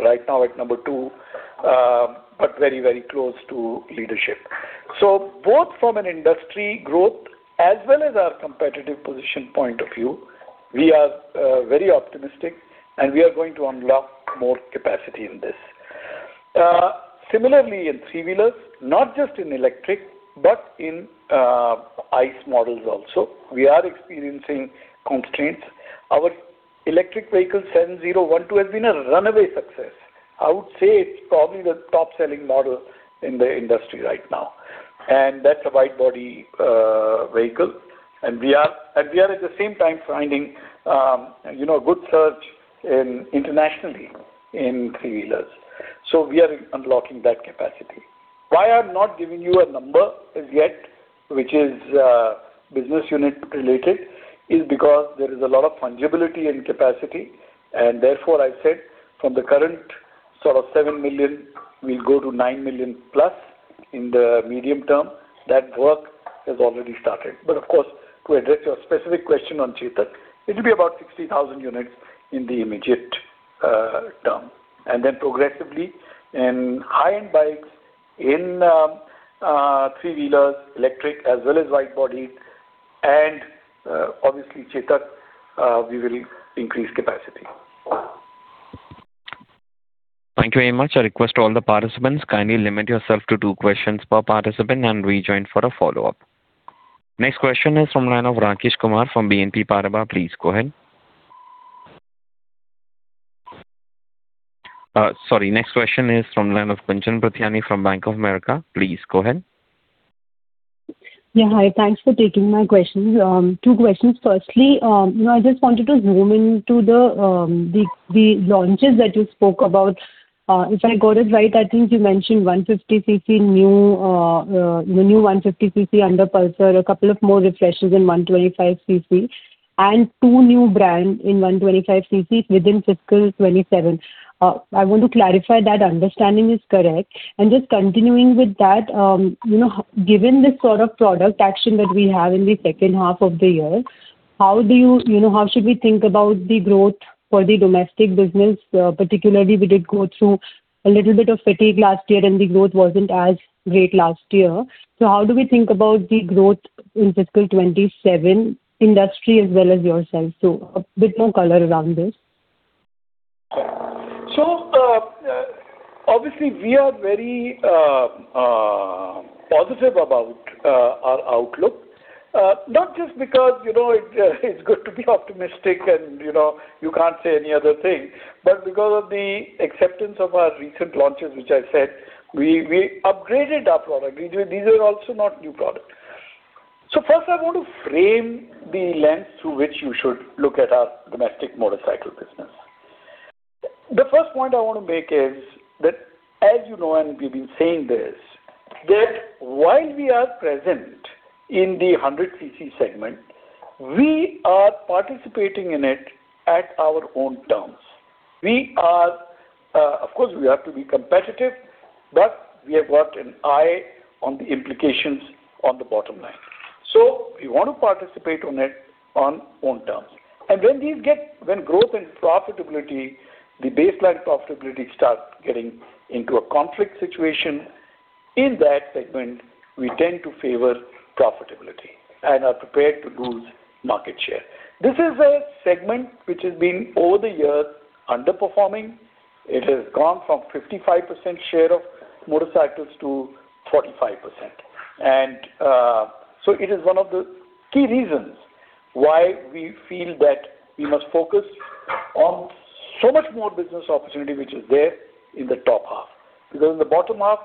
one. Right now at number two, but very close to leadership. Both from an industry growth as well as our competitive position point of view, we are very optimistic, and we are going to unlock more capacity in this. Similarly, in three-wheelers, not just in electric, but in ICE models also, we are experiencing constraints. Our electric vehicle 7012 has been a runaway success. I would say it is probably the top-selling model in the industry right now, and that is a wide-body vehicle. We are at the same time finding good surge internationally in three-wheelers. We are unlocking that capacity. Why I am not giving you a number as yet, which is business unit related, is because there is a lot of fungibility and capacity. Therefore, I said from the current sort of 7 million, we will go to 9 million+ in the medium term. That work has already started. But of course, to address your specific question on Chetak, it will be about 60,000 units in the immediate term. Then progressively in high-end bikes, in three-wheelers, electric as well as wide body, and obviously Chetak, we will increase capacity. Thank you very much. I request all the participants, kindly limit yourself to two questions per participant and rejoin for a follow-up. Next question is from the line of Rakesh Kumar from BNP Paribas. Please go ahead. Sorry. Next question is from the line of Gunjan Prithyani from Bank of America. Please go ahead. Yeah. Hi, thanks for taking my questions. two questions. Firstly, I just wanted to zoom into the launches that you spoke about. If I got it right, I think you mentioned the new 150cc under Pulsar, a couple of more refreshes in 125cc, and two new brand in 125cc within FY 2027. I want to clarify that understanding is correct. Just continuing with that, given this sort of product action that we have in the second half of the year, how should we think about the growth for the domestic business? Particularly, we did go through a little bit of fatigue last year and the growth wasn't as great last year. How do we think about the growth in FY 2027, industry as well as yourself? A bit more color around this. Obviously we are very positive about our outlook. Not just because it's good to be optimistic and you can't say any other thing, but because of the acceptance of our recent launches, which I said. We upgraded our product. These are also not new products. First I want to frame the lens through which you should look at our domestic motorcycle business. The first point I want to make is that, as you know and we've been saying this, that while we are present in the 100cc segment, we are participating in it at our own terms. Of course, we have to be competitive, but we have got an eye on the implications on the bottom line. We want to participate on it on own terms. When growth and profitability, the baseline profitability starts getting into a conflict situation, in that segment, we tend to favor profitability and are prepared to lose market share. This is a segment which has been, over the years, underperforming. It has gone from 55% share of motorcycles to 45%. It is one of the key reasons why we feel that we must focus on so much more business opportunity which is there in the top half. Because in the bottom half,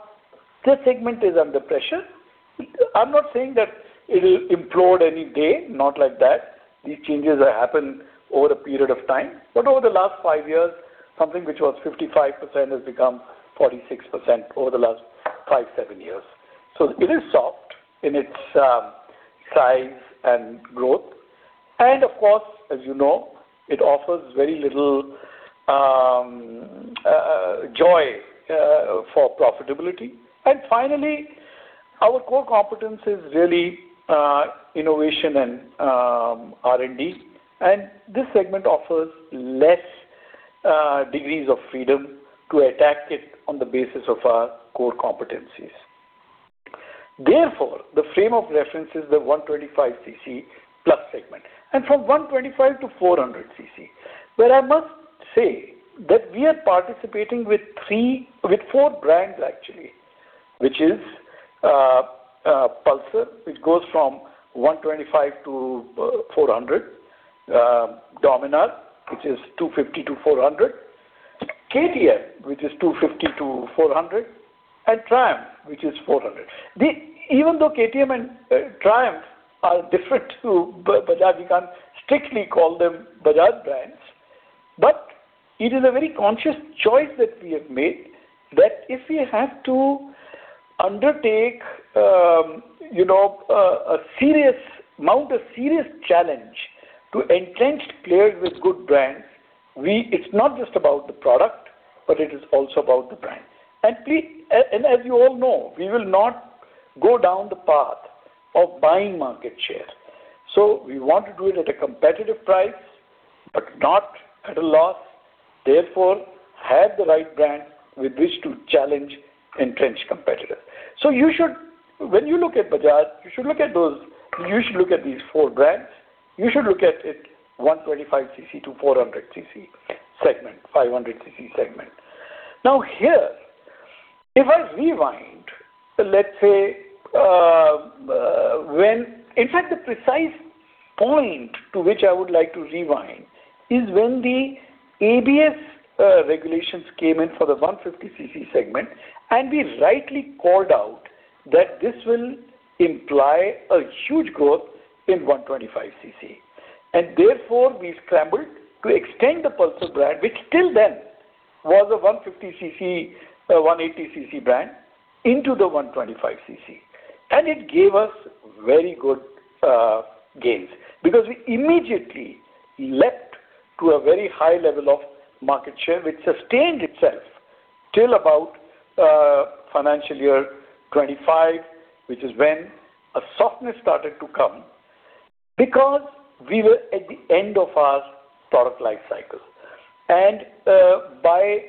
this segment is under pressure. I'm not saying that it'll implode any day, not like that. These changes happen over a period of time. Over the last five years, something which was 55% has become 46% over the last five, seven years. It is soft in its size and growth. Of course, as you know, it offers very little joy for profitability. Finally, our core competence is really innovation and R&D. This segment offers less degrees of freedom to attack it on the basis of our core competencies. Therefore, the frame of reference is the 125cc plus segment. From 125 to 400cc. Where I must say that we are participating with four brands actually, which is Pulsar, which goes from 125 to 400. Dominar, which is 250 to 400. KTM, which is 250 to 400. Triumph, which is 400. Even though KTM and Triumph are different to Bajaj, we can't strictly call them Bajaj brands. It is a very conscious choice that we have made, that if we have to mount a serious challenge to entrenched players with good brands, it's not just about the product, but it is also about the brand. As you all know, we will not go down the path of buying market share. We want to do it at a competitive price, but not at a loss. Have the right brand with which to challenge entrenched competitors. When you look at Bajaj, you should look at these four brands. You should look at it 125cc to 400cc segment, 500cc segment. Here, if I rewind, in fact, the precise point to which I would like to rewind is when the ABS regulations came in for the 150cc segment. We rightly called out that this will imply a huge growth in 125cc. Therefore, we scrambled to extend the Pulsar brand, which till then was a 150cc, 180cc brand, into the 125cc. It gave us very good gains. Because we immediately leapt to a very high level of market share, which sustained itself till about FY 2025, which is when a softness started to come. Because we were at the end of our product life cycle. By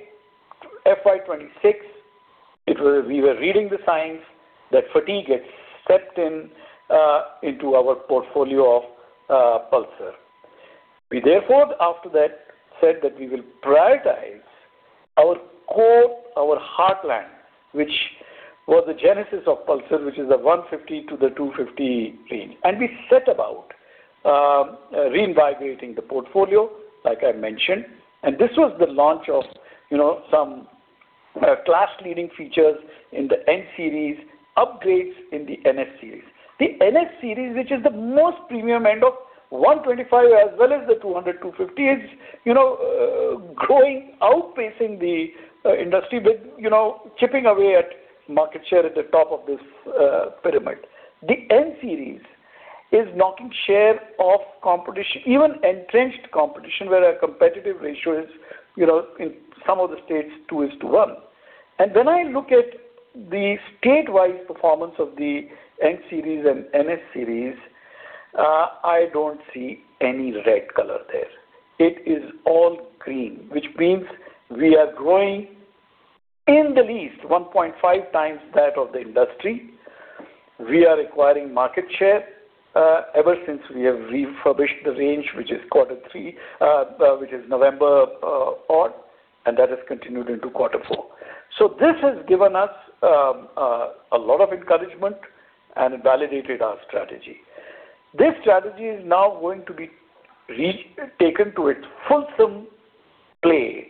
FY 2026, we were reading the signs that fatigue had stepped in, into our portfolio of Pulsar. We, therefore, after that said that we will prioritize our core, our heartland, which was the genesis of Pulsar, which is a 150 to the 250 range. We set about reinvigorating the portfolio, like I mentioned. This was the launch of some class-leading features in the N series, upgrades in the NS series. The NS series, which is the most premium end of 125 as well as the 200, 250 is growing, outpacing the industry, but chipping away at market share at the top of this pyramid. The N series is knocking share of competition, even entrenched competition, where our competitive ratio is, in some of the states, 2 is to 1. When I look at the statewide performance of the N series and NS series, I don't see any red color there. It is all green, which means we are growing in the least 1.5 times that of the industry. We are acquiring market share ever since we have refurbished the range, which is quarter 3, which is November on, and that has continued into quarter 4. This has given us a lot of encouragement and validated our strategy. This strategy is now going to be taken to its fulsome play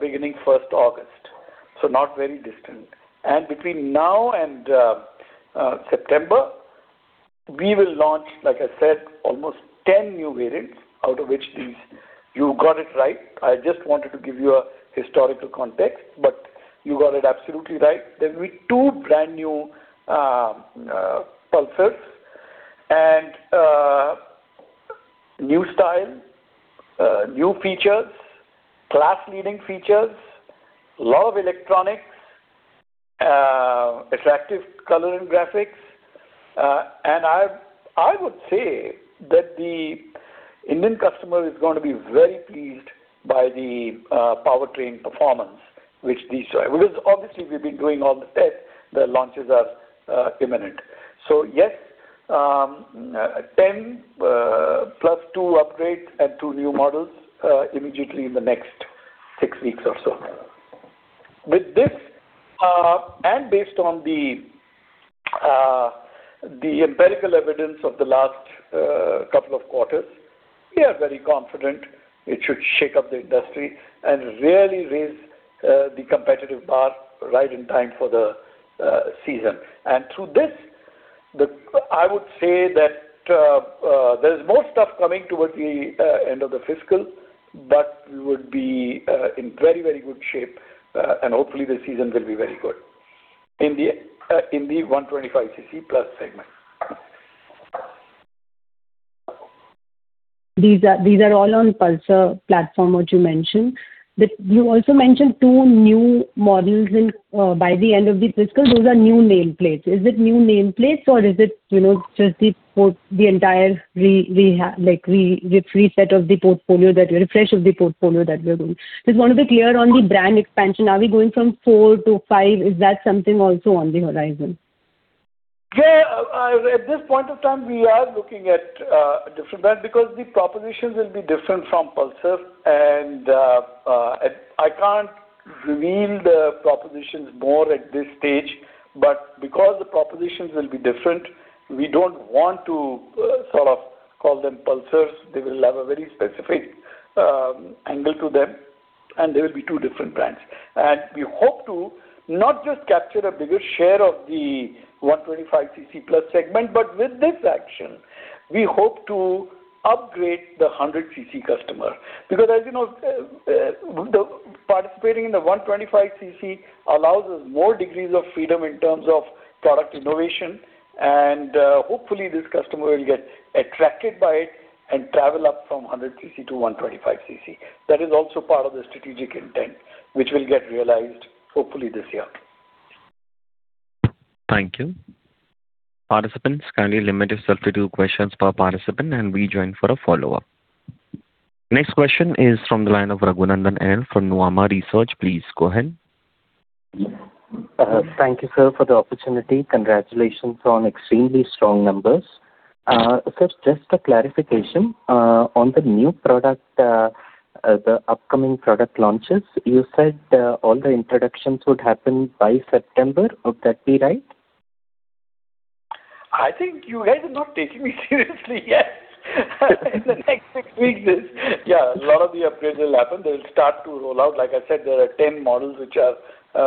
beginning 1st August. Not very distant. Between now and September, we will launch, like I said, almost 10 new variants out of which these You got it right. I just wanted to give you a historical context, but you got it absolutely right. There will be two brand new Pulsars and new style, new features, class-leading features, lot of electronics, attractive color and graphics. I would say that the Indian customer is going to be very pleased by the powertrain performance, which these show. Because obviously, we've been doing all the tests. The launches are imminent. Yes, 10 plus two upgrades and two new models immediately in the next six weeks or so. With this, based on the empirical evidence of the last couple of quarters, we are very confident it should shake up the industry and really raise the competitive bar right in time for the season. Through this, I would say that there's more stuff coming towards the end of the fiscal, but we would be in very good shape, and hopefully, the season will be very good in the 125cc+ segment. These are all on Pulsar platform, what you mentioned. You also mentioned two new models by the end of the fiscal. Those are new nameplates. Is it new nameplates or is it just the refresh of the portfolio that we're doing? Just want to be clear on the brand expansion. Are we going from four to five? Is that something also on the horizon? At this point of time, we are looking at a different brand because the propositions will be different from Pulsar. I can't reveal the propositions more at this stage. Because the propositions will be different, we don't want to call them Pulsars. They will have a very specific angle to them, and there will be two different brands. We hope to not just capture a bigger share of the 125cc plus segment, but with this action, we hope to upgrade the 100cc customer. As you know, participating in the 125cc allows us more degrees of freedom in terms of product innovation. Hopefully, this customer will get attracted by it and travel up from 100cc to 125cc. That is also part of the strategic intent, which will get realized hopefully this year. Thank you. Participants, kindly limit yourself to two questions per participant, and we join for a follow-up. Next question is from the line of Raghunandan NL from Nuvama Research. Please go ahead. Thank you, sir, for the opportunity. Congratulations on extremely strong numbers. Sir, just a clarification on the new product, the upcoming product launches. You said all the introductions would happen by September. Would that be right? I think you guys are not taking me seriously yet. In the next six weeks, yeah, a lot of the upgrades will happen. They'll start to roll out. Like I said, there are 10 models which are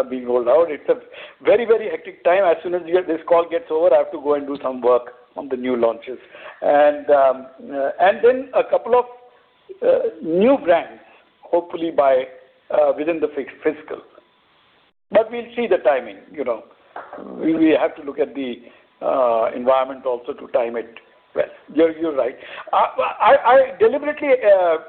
being rolled out. It's a very hectic time. As soon as this call gets over, I have to go and do some work on the new launches. A couple of new brands, hopefully within the fixed fiscal. We'll see the timing. We have to look at the environment also to time it well. You're right. I deliberately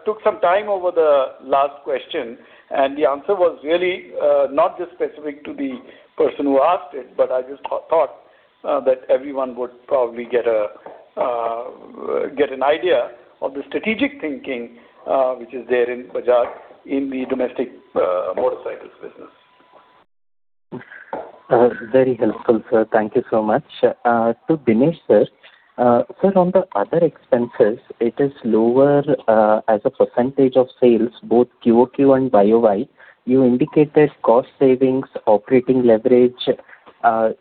took some time over the last question, the answer was really not just specific to the person who asked it, but I just thought that everyone would probably get an idea of the strategic thinking which is there in Bajaj, in the domestic motorcycles business. Very helpful, sir. Thank you so much. To Dinesh, sir. Sir, on the other expenses, it is lower as a % of sales, both QoQ and YOY. You indicated cost savings, operating leverage.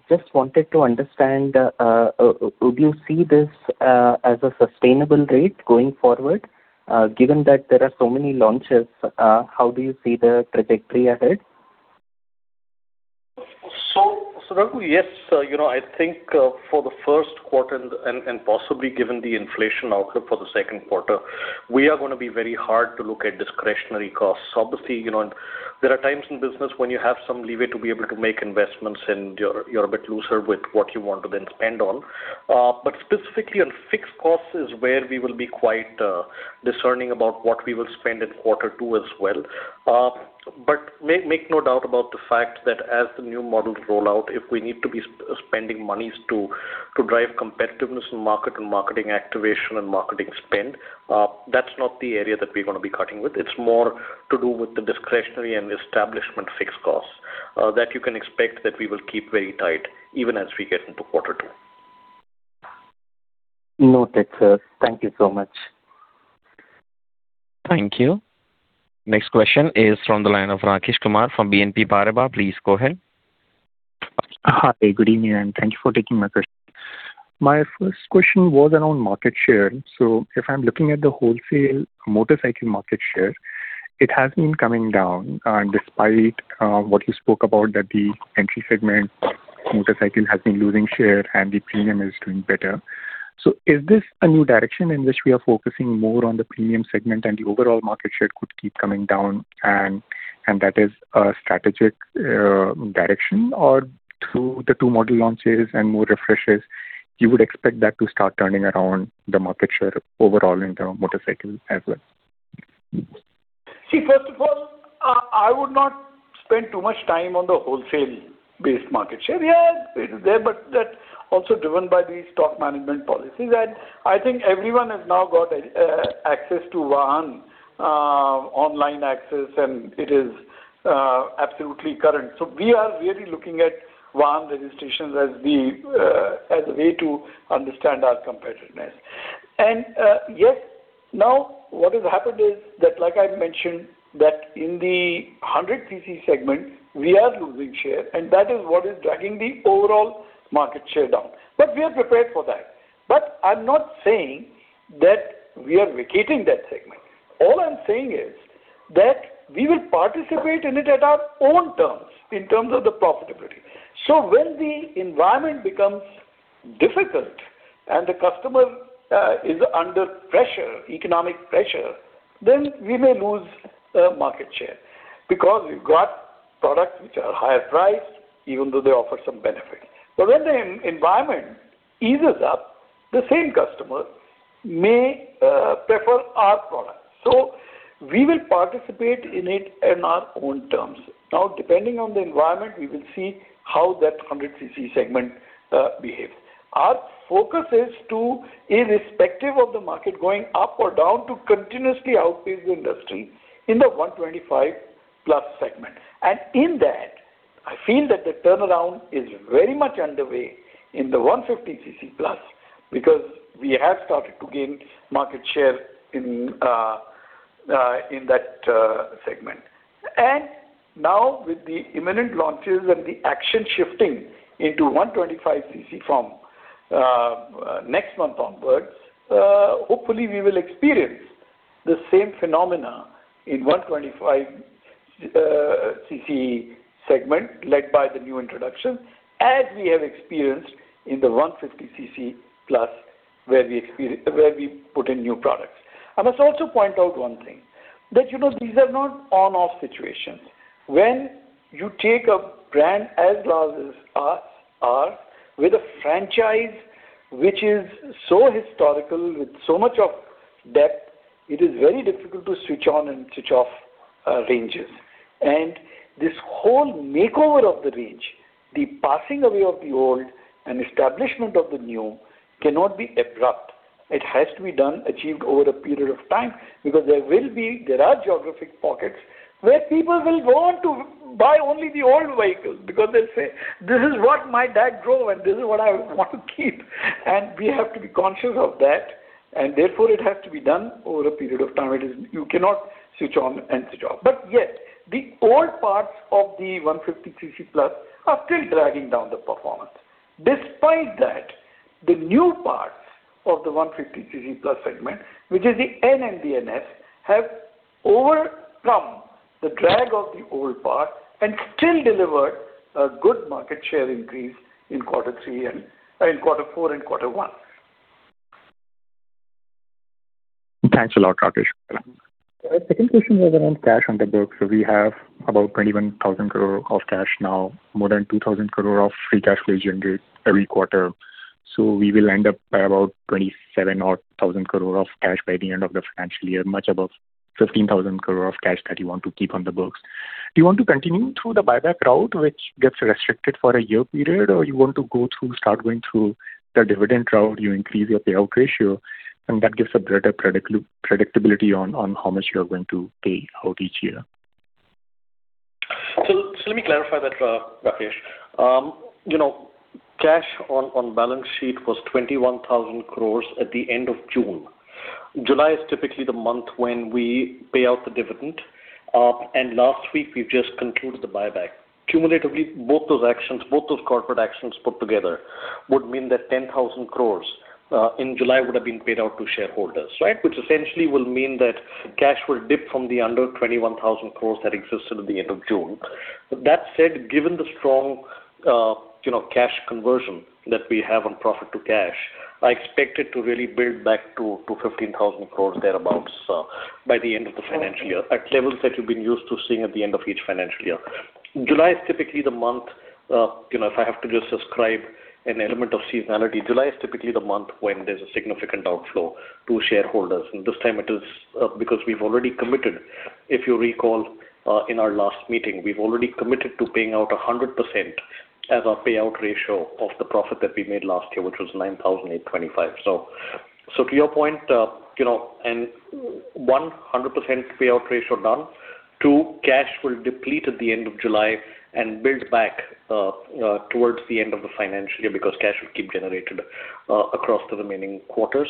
Just wanted to understand, would you see this as a sustainable rate going forward? Given that there are so many launches, how do you see the trajectory ahead? Raghu. Yes, sir. I think for the first quarter and possibly given the inflation outlook for the second quarter, we are going to be very hard to look at discretionary costs. Obviously, there are times in business when you have some leeway to be able to make investments and you're a bit looser with what you want to then spend on. Specifically on fixed costs is where we will be quite discerning about what we will spend in quarter two as well. Make no doubt about the fact that as the new models roll out, if we need to be spending monies to drive competitiveness in market and marketing activation and marketing spend, that's not the area that we're going to be cutting with. It's more to do with the discretionary and establishment fixed costs, that you can expect that we will keep very tight even as we get into quarter two. Noted, sir. Thank you so much. Thank you. Next question is from the line of Rakesh Kumar from BNP Paribas. Please go ahead. Hi. Good evening, thank you for taking my question. My first question was around market share. If I'm looking at the wholesale motorcycle market share, it has been coming down. Despite what you spoke about, that the entry segment motorcycle has been losing share and the premium is doing better. Is this a new direction in which we are focusing more on the premium segment and the overall market share could keep coming down and that is a strategic direction? Through the two model launches and more refreshes, you would expect that to start turning around the market share overall in terms of motorcycles as well? First of all, I would not spend too much time on the wholesale-based market share. Yes, it is there, but that's also driven by the stock management policy. I think everyone has now got access to Vahan, online access, and it is absolutely current. We are really looking at Vahan registrations as a way to understand our competitiveness. Yes. What has happened is that, like I mentioned, that in the 100cc segment, we are losing share, and that is what is dragging the overall market share down. We are prepared for that. I'm not saying that we are vacating that segment. All I'm saying is that we will participate in it at our own terms, in terms of the profitability. When the environment becomes difficult and the customer is under pressure, economic pressure, then we may lose market share because we've got products which are higher priced, even though they offer some benefit. When the environment eases up, the same customer may prefer our product. We will participate in it in our own terms. Depending on the environment, we will see how that 100cc segment behaves. Our focus is to, irrespective of the market going up or down, to continuously outpace the industry in the 125+ segment. In that, I feel that the turnaround is very much underway in the 150cc plus, because we have started to gain market share in that segment. Now with the imminent launches and the action shifting into 125cc from next month onwards, hopefully we will experience the same phenomena in 125cc segment led by the new introduction, as we have experienced in the 150cc+, where we put in new products. I must also point out one thing. These are not on-off situations. When you take a brand as large as us with a franchise which is so historical with so much of depth, it is very difficult to switch on and switch off. ranges. This whole makeover of the range, the passing away of the old and establishment of the new cannot be abrupt. It has to be achieved over a period of time because there are geographic pockets where people will want to buy only the old vehicles because they'll say, "This is what my dad drove and this is what I want to keep." We have to be conscious of that, and therefore it has to be done over a period of time. You cannot switch on and switch off. Yet, the old parts of the 150cc+ are still dragging down the performance. Despite that, the new parts of the 150cc+ segment, which is the N and NS, have overcome the drag of the old part and still delivered a good market share increase in quarter four and quarter one. My second question was around cash on the books. We have about 21,000 crore of cash now, more than 2,000 crore of free cash flow generated every quarter. We will end up by about 27,000 crore of cash by the end of the financial year, much above 15,000 crore of cash that you want to keep on the books. Do you want to continue through the buyback route, which gets restricted for a year period, or you want to start going through the dividend route, you increase your payout ratio, and that gives a greater predictability on how much you are going to pay out each year? Let me clarify that, Rakesh. Cash on balance sheet was 21,000 crore at the end of June. July is typically the month when we pay out the dividend. Last week we've just concluded the buyback. Cumulatively, both those corporate actions put together would mean that 10,000 crore in July would have been paid out to shareholders, which essentially will mean that cash will dip from the under 21,000 crore that existed at the end of June. That said, given the strong cash conversion that we have on profit to cash, I expect it to really build back to 15,000 crore, thereabouts, by the end of the financial year, at levels that you've been used to seeing at the end of each financial year. July is typically the month, if I have to just ascribe an element of seasonality, July is typically the month when there's a significant outflow to shareholders. This time it is because we've already committed. If you recall in our last meeting, we've already committed to paying out 100% as our payout ratio of the profit that we made last year, which was 9,825 crore. To your point, one, 100% payout ratio done. Two, cash will deplete at the end of July and build back towards the end of the financial year because cash will keep generating across the remaining quarters.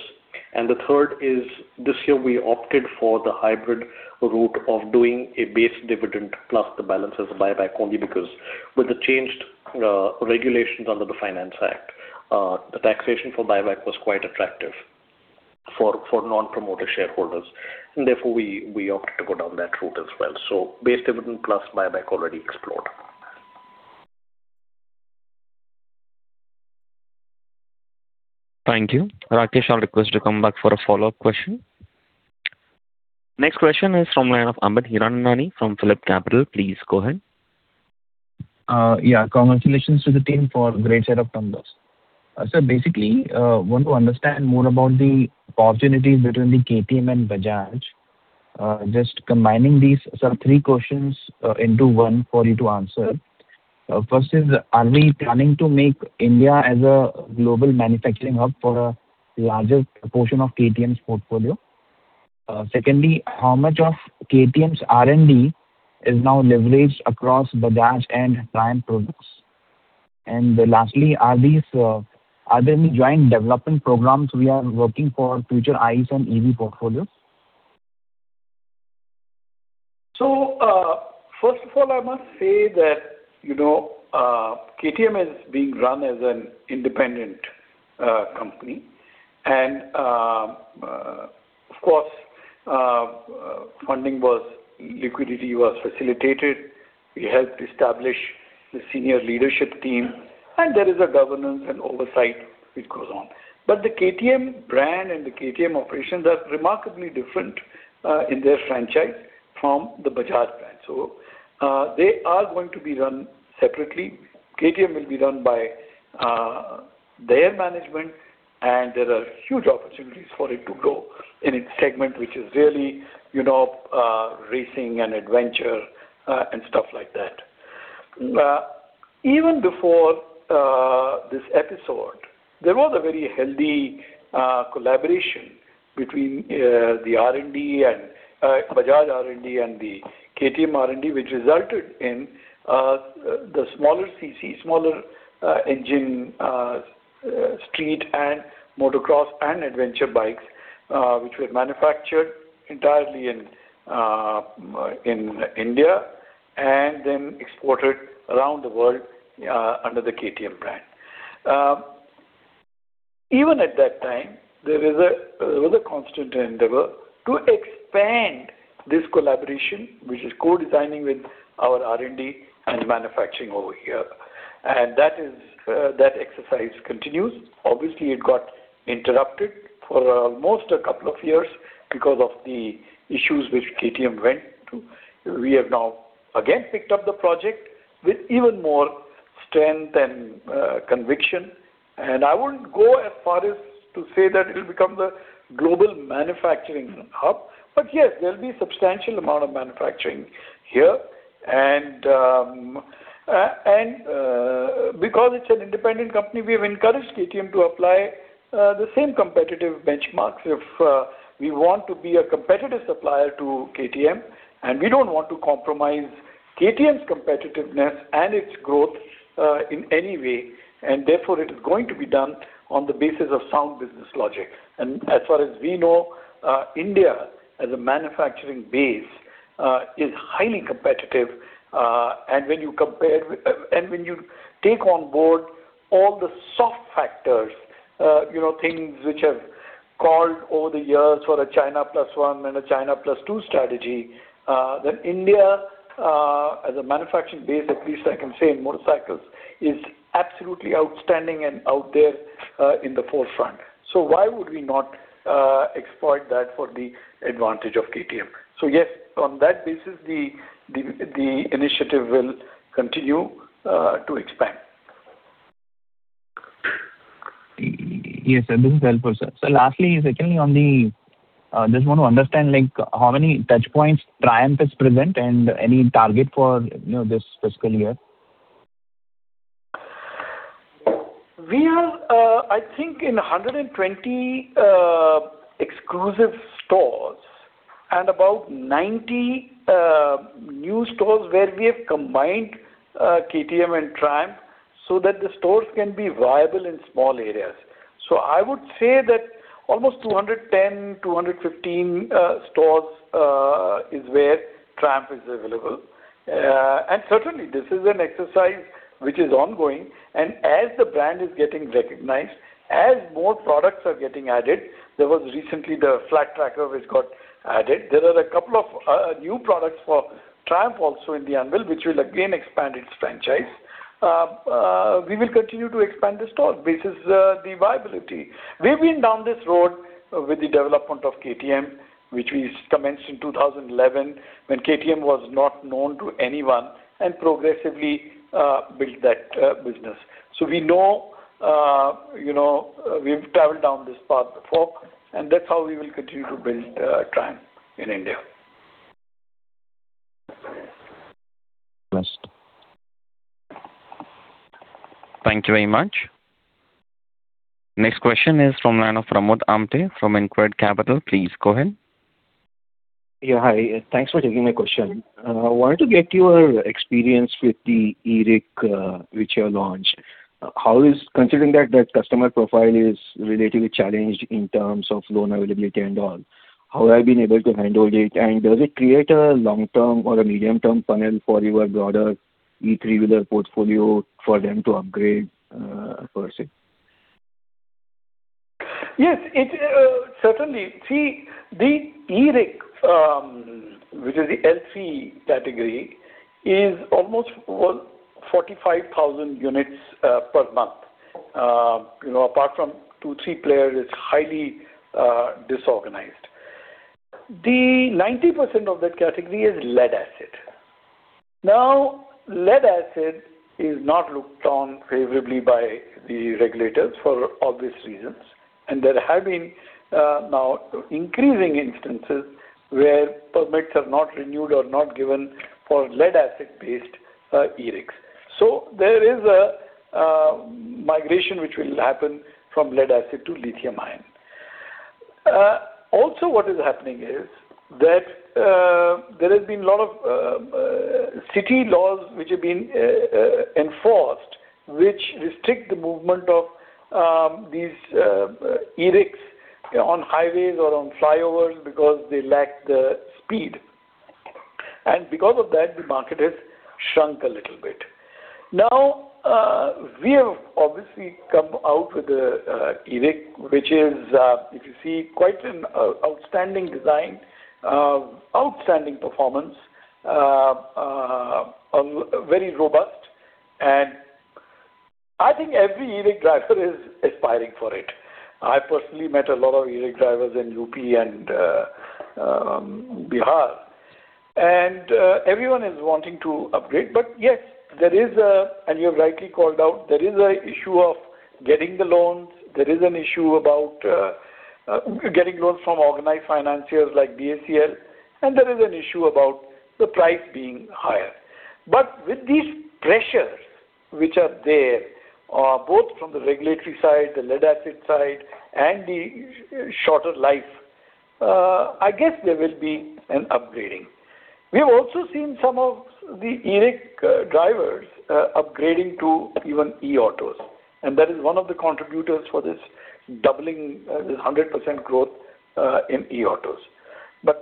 The third is, this year we opted for the hybrid route of doing a base dividend plus the balance as a buyback only because with the changed regulations under the Finance Act, the taxation for buyback was quite attractive for non-promoter shareholders, therefore we opted to go down that route as well. Base dividend plus buyback already explored. Thank you. Rakesh, I'll request you to come back for a follow-up question. Next question is from the line of Amit Hiranandani from PhillipCapital. Please go ahead. Congratulations to the team for a great set of numbers. Sir, basically, want to understand more about the opportunities between the KTM and Bajaj. Just combining these three questions into one for you to answer. First is, are we planning to make India as a global manufacturing hub for a larger portion of KTM's portfolio? Secondly, how much of KTM's R&D is now leveraged across Bajaj and Triumph products? Lastly, are there any joint development programs we are working on for future ICE and EV portfolios? First of all, I must say that KTM is being run as an independent company and, of course, liquidity was facilitated. We helped establish the senior leadership team, there is a governance and oversight which goes on. The KTM brand and the KTM operations are remarkably different in their franchise from the Bajaj brand. They are going to be run separately. KTM will be run by their management and there are huge opportunities for it to grow in its segment, which is really racing and Adventure and stuff like that. Even before this episode, there was a very healthy collaboration between the Bajaj R&D and the KTM R&D, which resulted in the smaller cc, smaller engine street and motocross and Adventure bikes, which were manufactured entirely in India and then exported around the world under the KTM brand. Even at that time, there was a constant endeavor to expand this collaboration, which is co-designing with our R&D and manufacturing over here. That exercise continues. Obviously, it got interrupted for almost a couple of years because of the issues which KTM went through. We have now again picked up the project with even more Strength and conviction. I wouldn't go as far as to say that it'll become the global manufacturing hub. Yes, there'll be a substantial amount of manufacturing here. Because it's an independent company, we've encouraged KTM to apply the same competitive benchmarks if we want to be a competitive supplier to KTM. We don't want to compromise KTM's competitiveness and its growth in any way. Therefore, it is going to be done on the basis of sound business logic. As far as we know, India as a manufacturing base is highly competitive. When you take on board all the soft factors, things which have called over the years for a China Plus One and a China Plus Two strategy, then India, as a manufacturing base, at least I can say in motorcycles, is absolutely outstanding and out there in the forefront. Why would we not exploit that for the advantage of KTM? Yes, on that basis, the initiative will continue to expand. Yes, sir. This is helpful, sir. Lastly, secondly, just want to understand how many touchpoints Triumph is present and any target for this fiscal year. We have, I think, in 120 exclusive stores and about 90 new stores where we have combined KTM and Triumph so that the stores can be viable in small areas. I would say that almost 210, 215 stores is where Triumph is available. Certainly, this is an exercise which is ongoing. As the brand is getting recognized, as more products are getting added, there was recently the Tracker 400 which got added. There are a couple of new products for Triumph also in the anvil, which will again expand its franchise. We will continue to expand the store basis the viability. We've been down this road with the development of KTM, which we commenced in 2011 when KTM was not known to anyone and progressively built that business. We know we've traveled down this path before, and that's how we will continue to build Triumph in India. Understood. Thank you very much. Next question is from the line of Pramod Amthe from InCred Capital. Please go ahead. Yeah, hi. Thanks for taking my question. I wanted to get your experience with the e-rick, which you have launched. Considering that customer profile is relatively challenged in terms of loan availability and all, how have you been able to handle it? Does it create a long-term or a medium-term funnel for your broader e-three-wheeler portfolio for them to upgrade per se? Yes. Certainly. See, the e-rick, which is the LC category, is almost 45,000 units per month. Apart from two, three players, it is highly disorganized. The 90% of that category is lead-acid. Lead-acid is not looked on favorably by the regulators for obvious reasons. There have been now increasing instances where permits are not renewed or not given for lead-acid-based e-ricks. There is a migration which will happen from lead-acid to lithium-ion. What is happening is that there has been a lot of city laws which have been enforced, which restrict the movement of these e-ricks on highways or on flyovers because they lack the speed. Because of that, the market has shrunk a little bit. We have obviously come out with an e-rick, which is, if you see, quite an outstanding design, outstanding performance, very robust, and I think every e-rick driver is aspiring for it. I personally met a lot of e-rick drivers in UP and Bihar. Everyone is wanting to upgrade. Yes, and you have rightly called out, there is an issue of getting the loans, there is an issue about getting loans from organized financiers like BACL, and there is an issue about the price being higher. With these pressures which are there, both from the regulatory side, the lead-acid side, and the shorter life, I guess there will be an upgrading. We have also seen some of the e-rick drivers upgrading to even e-autos, and that is one of the contributors for this doubling, this 100% growth in e-autos.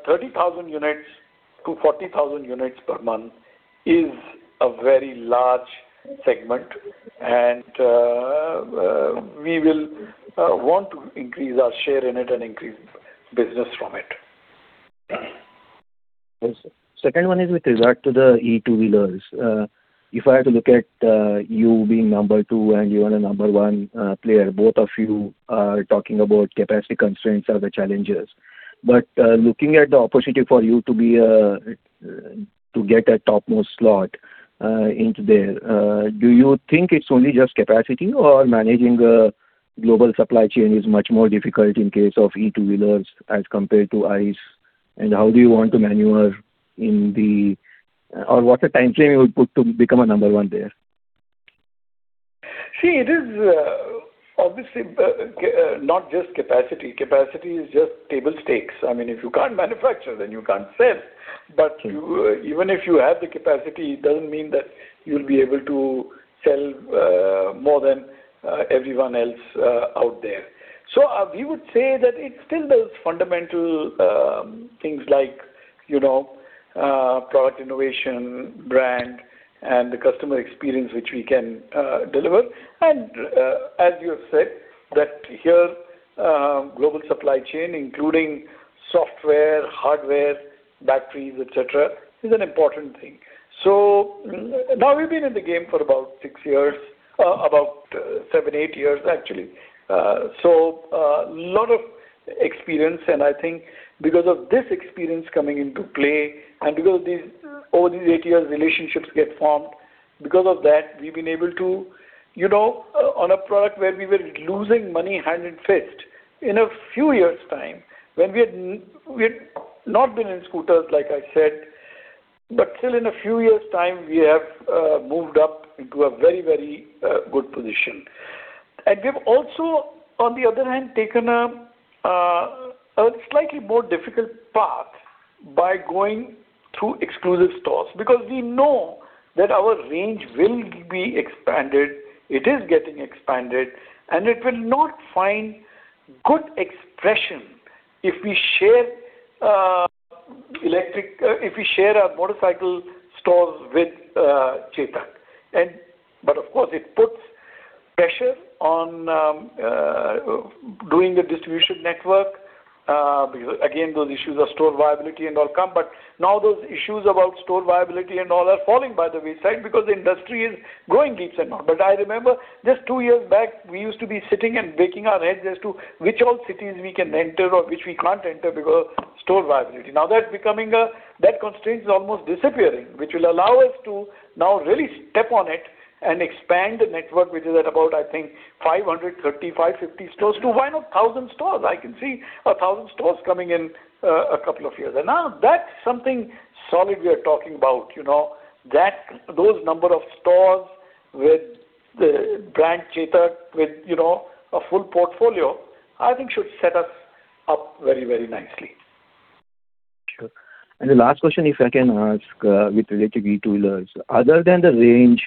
30,000 units to 40,000 units per month is a very large segment, and we will want to increase our share in it and increase business from it. Understood. Second one is with regard to the e-two-wheelers. If I had to look at you being number two and you are a number one player, both of you are talking about capacity constraints are the challenges. Looking at the opportunity for you to get a topmost slot into there, do you think it is only just capacity or managing a global supply chain is much more difficult in case of E2 wheelers as compared to ICE? How do you want to maneuver, or what is the time frame you would put to become a number one there? It is obviously not just capacity. Capacity is just table stakes. If you can't manufacture, then you can't sell. Even if you have the capacity, it doesn't mean that you'll be able to sell more than everyone else out there. We would say that it still does fundamental things like product innovation, brand, and the customer experience, which we can deliver. As you have said, that here global supply chain, including software, hardware, batteries, et cetera, is an important thing. Now we've been in the game for about six years, about seven, eight years, actually. A lot of experience, and I think because of this experience coming into play and because over these eight years, relationships get formed, because of that, we've been able to On a product where we were losing money hand and fist, in a few years time, when we had not been in scooters, like I said, but still in a few years time, we have moved up into a very good position. We've also, on the other hand, taken a slightly more difficult path by going through exclusive stores. We know that our range will be expanded, it is getting expanded, and it will not find good expression if we share our motorcycle stores with Chetak. Of course, it puts pressure on doing the distribution network. Again, those issues of store viability and all come, but now those issues about store viability and all are falling by the wayside because the industry is growing leaps and bounds. I remember just two years back, we used to be sitting and breaking our heads as to which all cities we can enter or which we can't enter because store viability. That constraint is almost disappearing, which will allow us to now really step on it and expand the network, which is at about, I think, 535, 550 stores to why not 1,000 stores? I can see 1,000 stores coming in a couple of years. Now that's something solid we are talking about. Those number of stores with the brand Chetak, with a full portfolio, I think should set us up very nicely. Sure. The last question, if I can ask, related to E2 wheelers. Other than the range,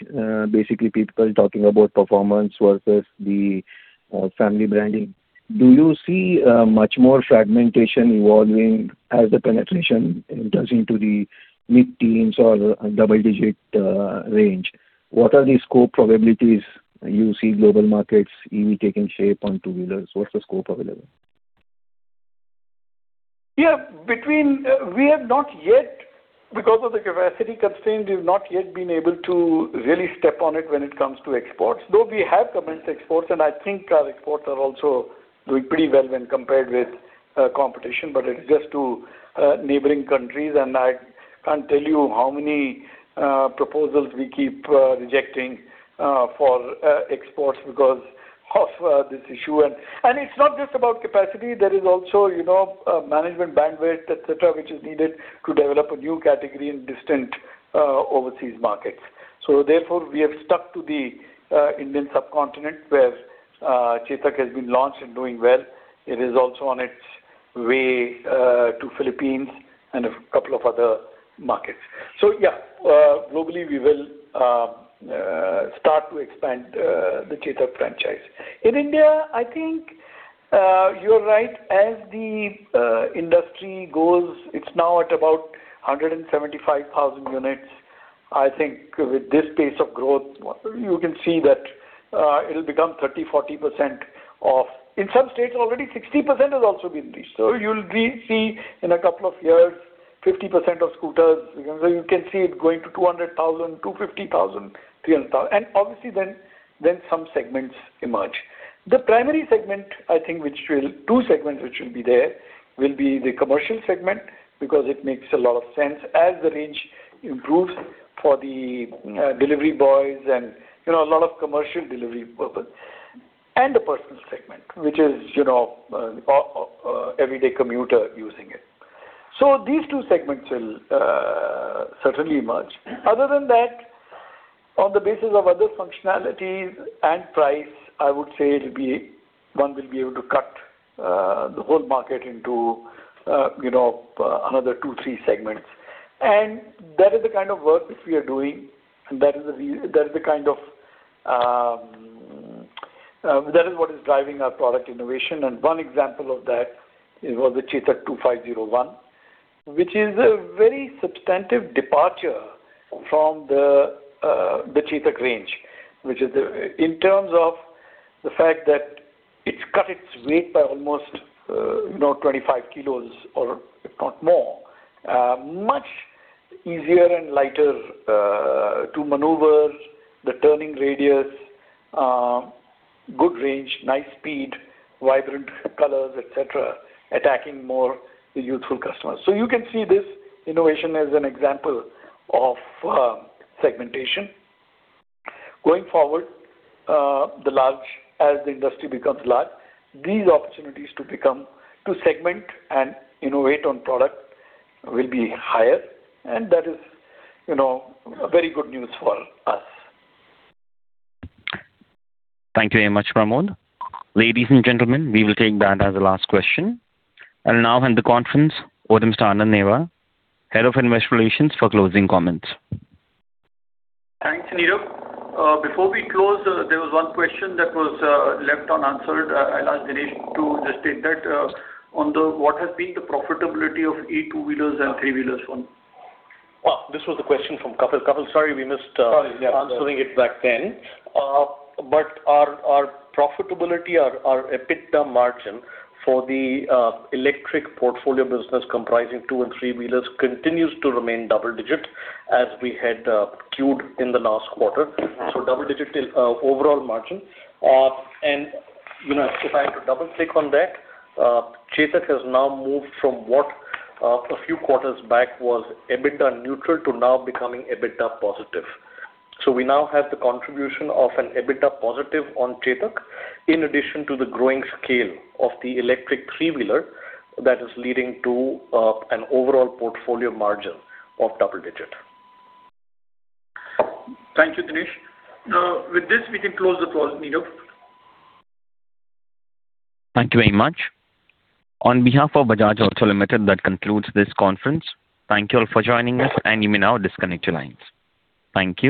basically people talking about performance versus the family branding. Do you see much more fragmentation evolving as the penetration enters into the mid-teens or double-digit range? What are the scope probabilities you see global markets EV taking shape on two wheelers? What's the scope available? Yeah. Because of the capacity constraint, we've not yet been able to really step on it when it comes to exports. We have commenced exports, and I think our exports are also doing pretty well when compared with competition. It's just to neighboring countries, and I can't tell you how many proposals we keep rejecting for exports because of this issue. It's not just about capacity. There is also management bandwidth, et cetera, which is needed to develop a new category in distant overseas markets. Therefore, we have stuck to the Indian subcontinent, where Chetak has been launched and doing well. It is also on its way to Philippines and a couple of other markets. Yeah, globally, we will start to expand the Chetak franchise. In India, I think you're right. As the industry goes, it's now at about 175,000 units. I think with this pace of growth, you can see that it'll become 30%-40%. In some states, already 60% has also been reached. You'll see in a couple of years, 50% of scooters. You can see it going to 200,000, 250,000, 300,000. Obviously then some segments emerge. The primary segment, I think, two segments which will be there will be the commercial segment, because it makes a lot of sense as the range improves for the delivery boys and a lot of commercial delivery purpose. The personal segment, which is everyday commuter using it. These two segments will certainly emerge. Other than that, on the basis of other functionalities and price, I would say one will be able to cut the whole market into another two, three segments. That is the kind of work which we are doing, and that is what is driving our product innovation. One example of that was the Chetak C2501, which is a very substantive departure from the Chetak range. In terms of the fact that it's cut its weight by almost 25 kilos or if not more. Much easier and lighter to maneuver, the turning radius, good range, nice speed, vibrant colors, et cetera, attacking more the youthful customers. You can see this innovation as an example of segmentation. Going forward, as the industry becomes large, these opportunities to segment and innovate on product will be higher, and that is very good news for us. Thank you very much, Pramod. Ladies and gentlemen, we will take that as the last question. Now in the conference with Mr. Anand Newar, Head of Investor Relations for closing comments. Thanks, Nirav. Before we close, there was one question that was left unanswered. I'll ask Dinesh to just state that, on what has been the profitability of E two-wheelers and three-wheelers front. This was a question from Kapil. Kapil, sorry we missed. Answering it back then. Our profitability, our EBITDA margin for the electric portfolio business comprising two and three-wheelers continues to remain double-digit as we had cued in the last quarter. Double-digit overall margin. If I have to double-click on that, Chetak has now moved from what a few quarters back was EBITDA-neutral to now becoming EBITDA-positive. We now have the contribution of an EBITDA-positive on Chetak, in addition to the growing scale of the electric three-wheeler that is leading to an overall portfolio margin of double-digit. Thank you, Dinesh. With this, we can close the call, Nirav. V Thank you very much. On behalf of Bajaj Auto Limited, that concludes this conference. Thank you all for joining us, and you may now disconnect your lines. Thank you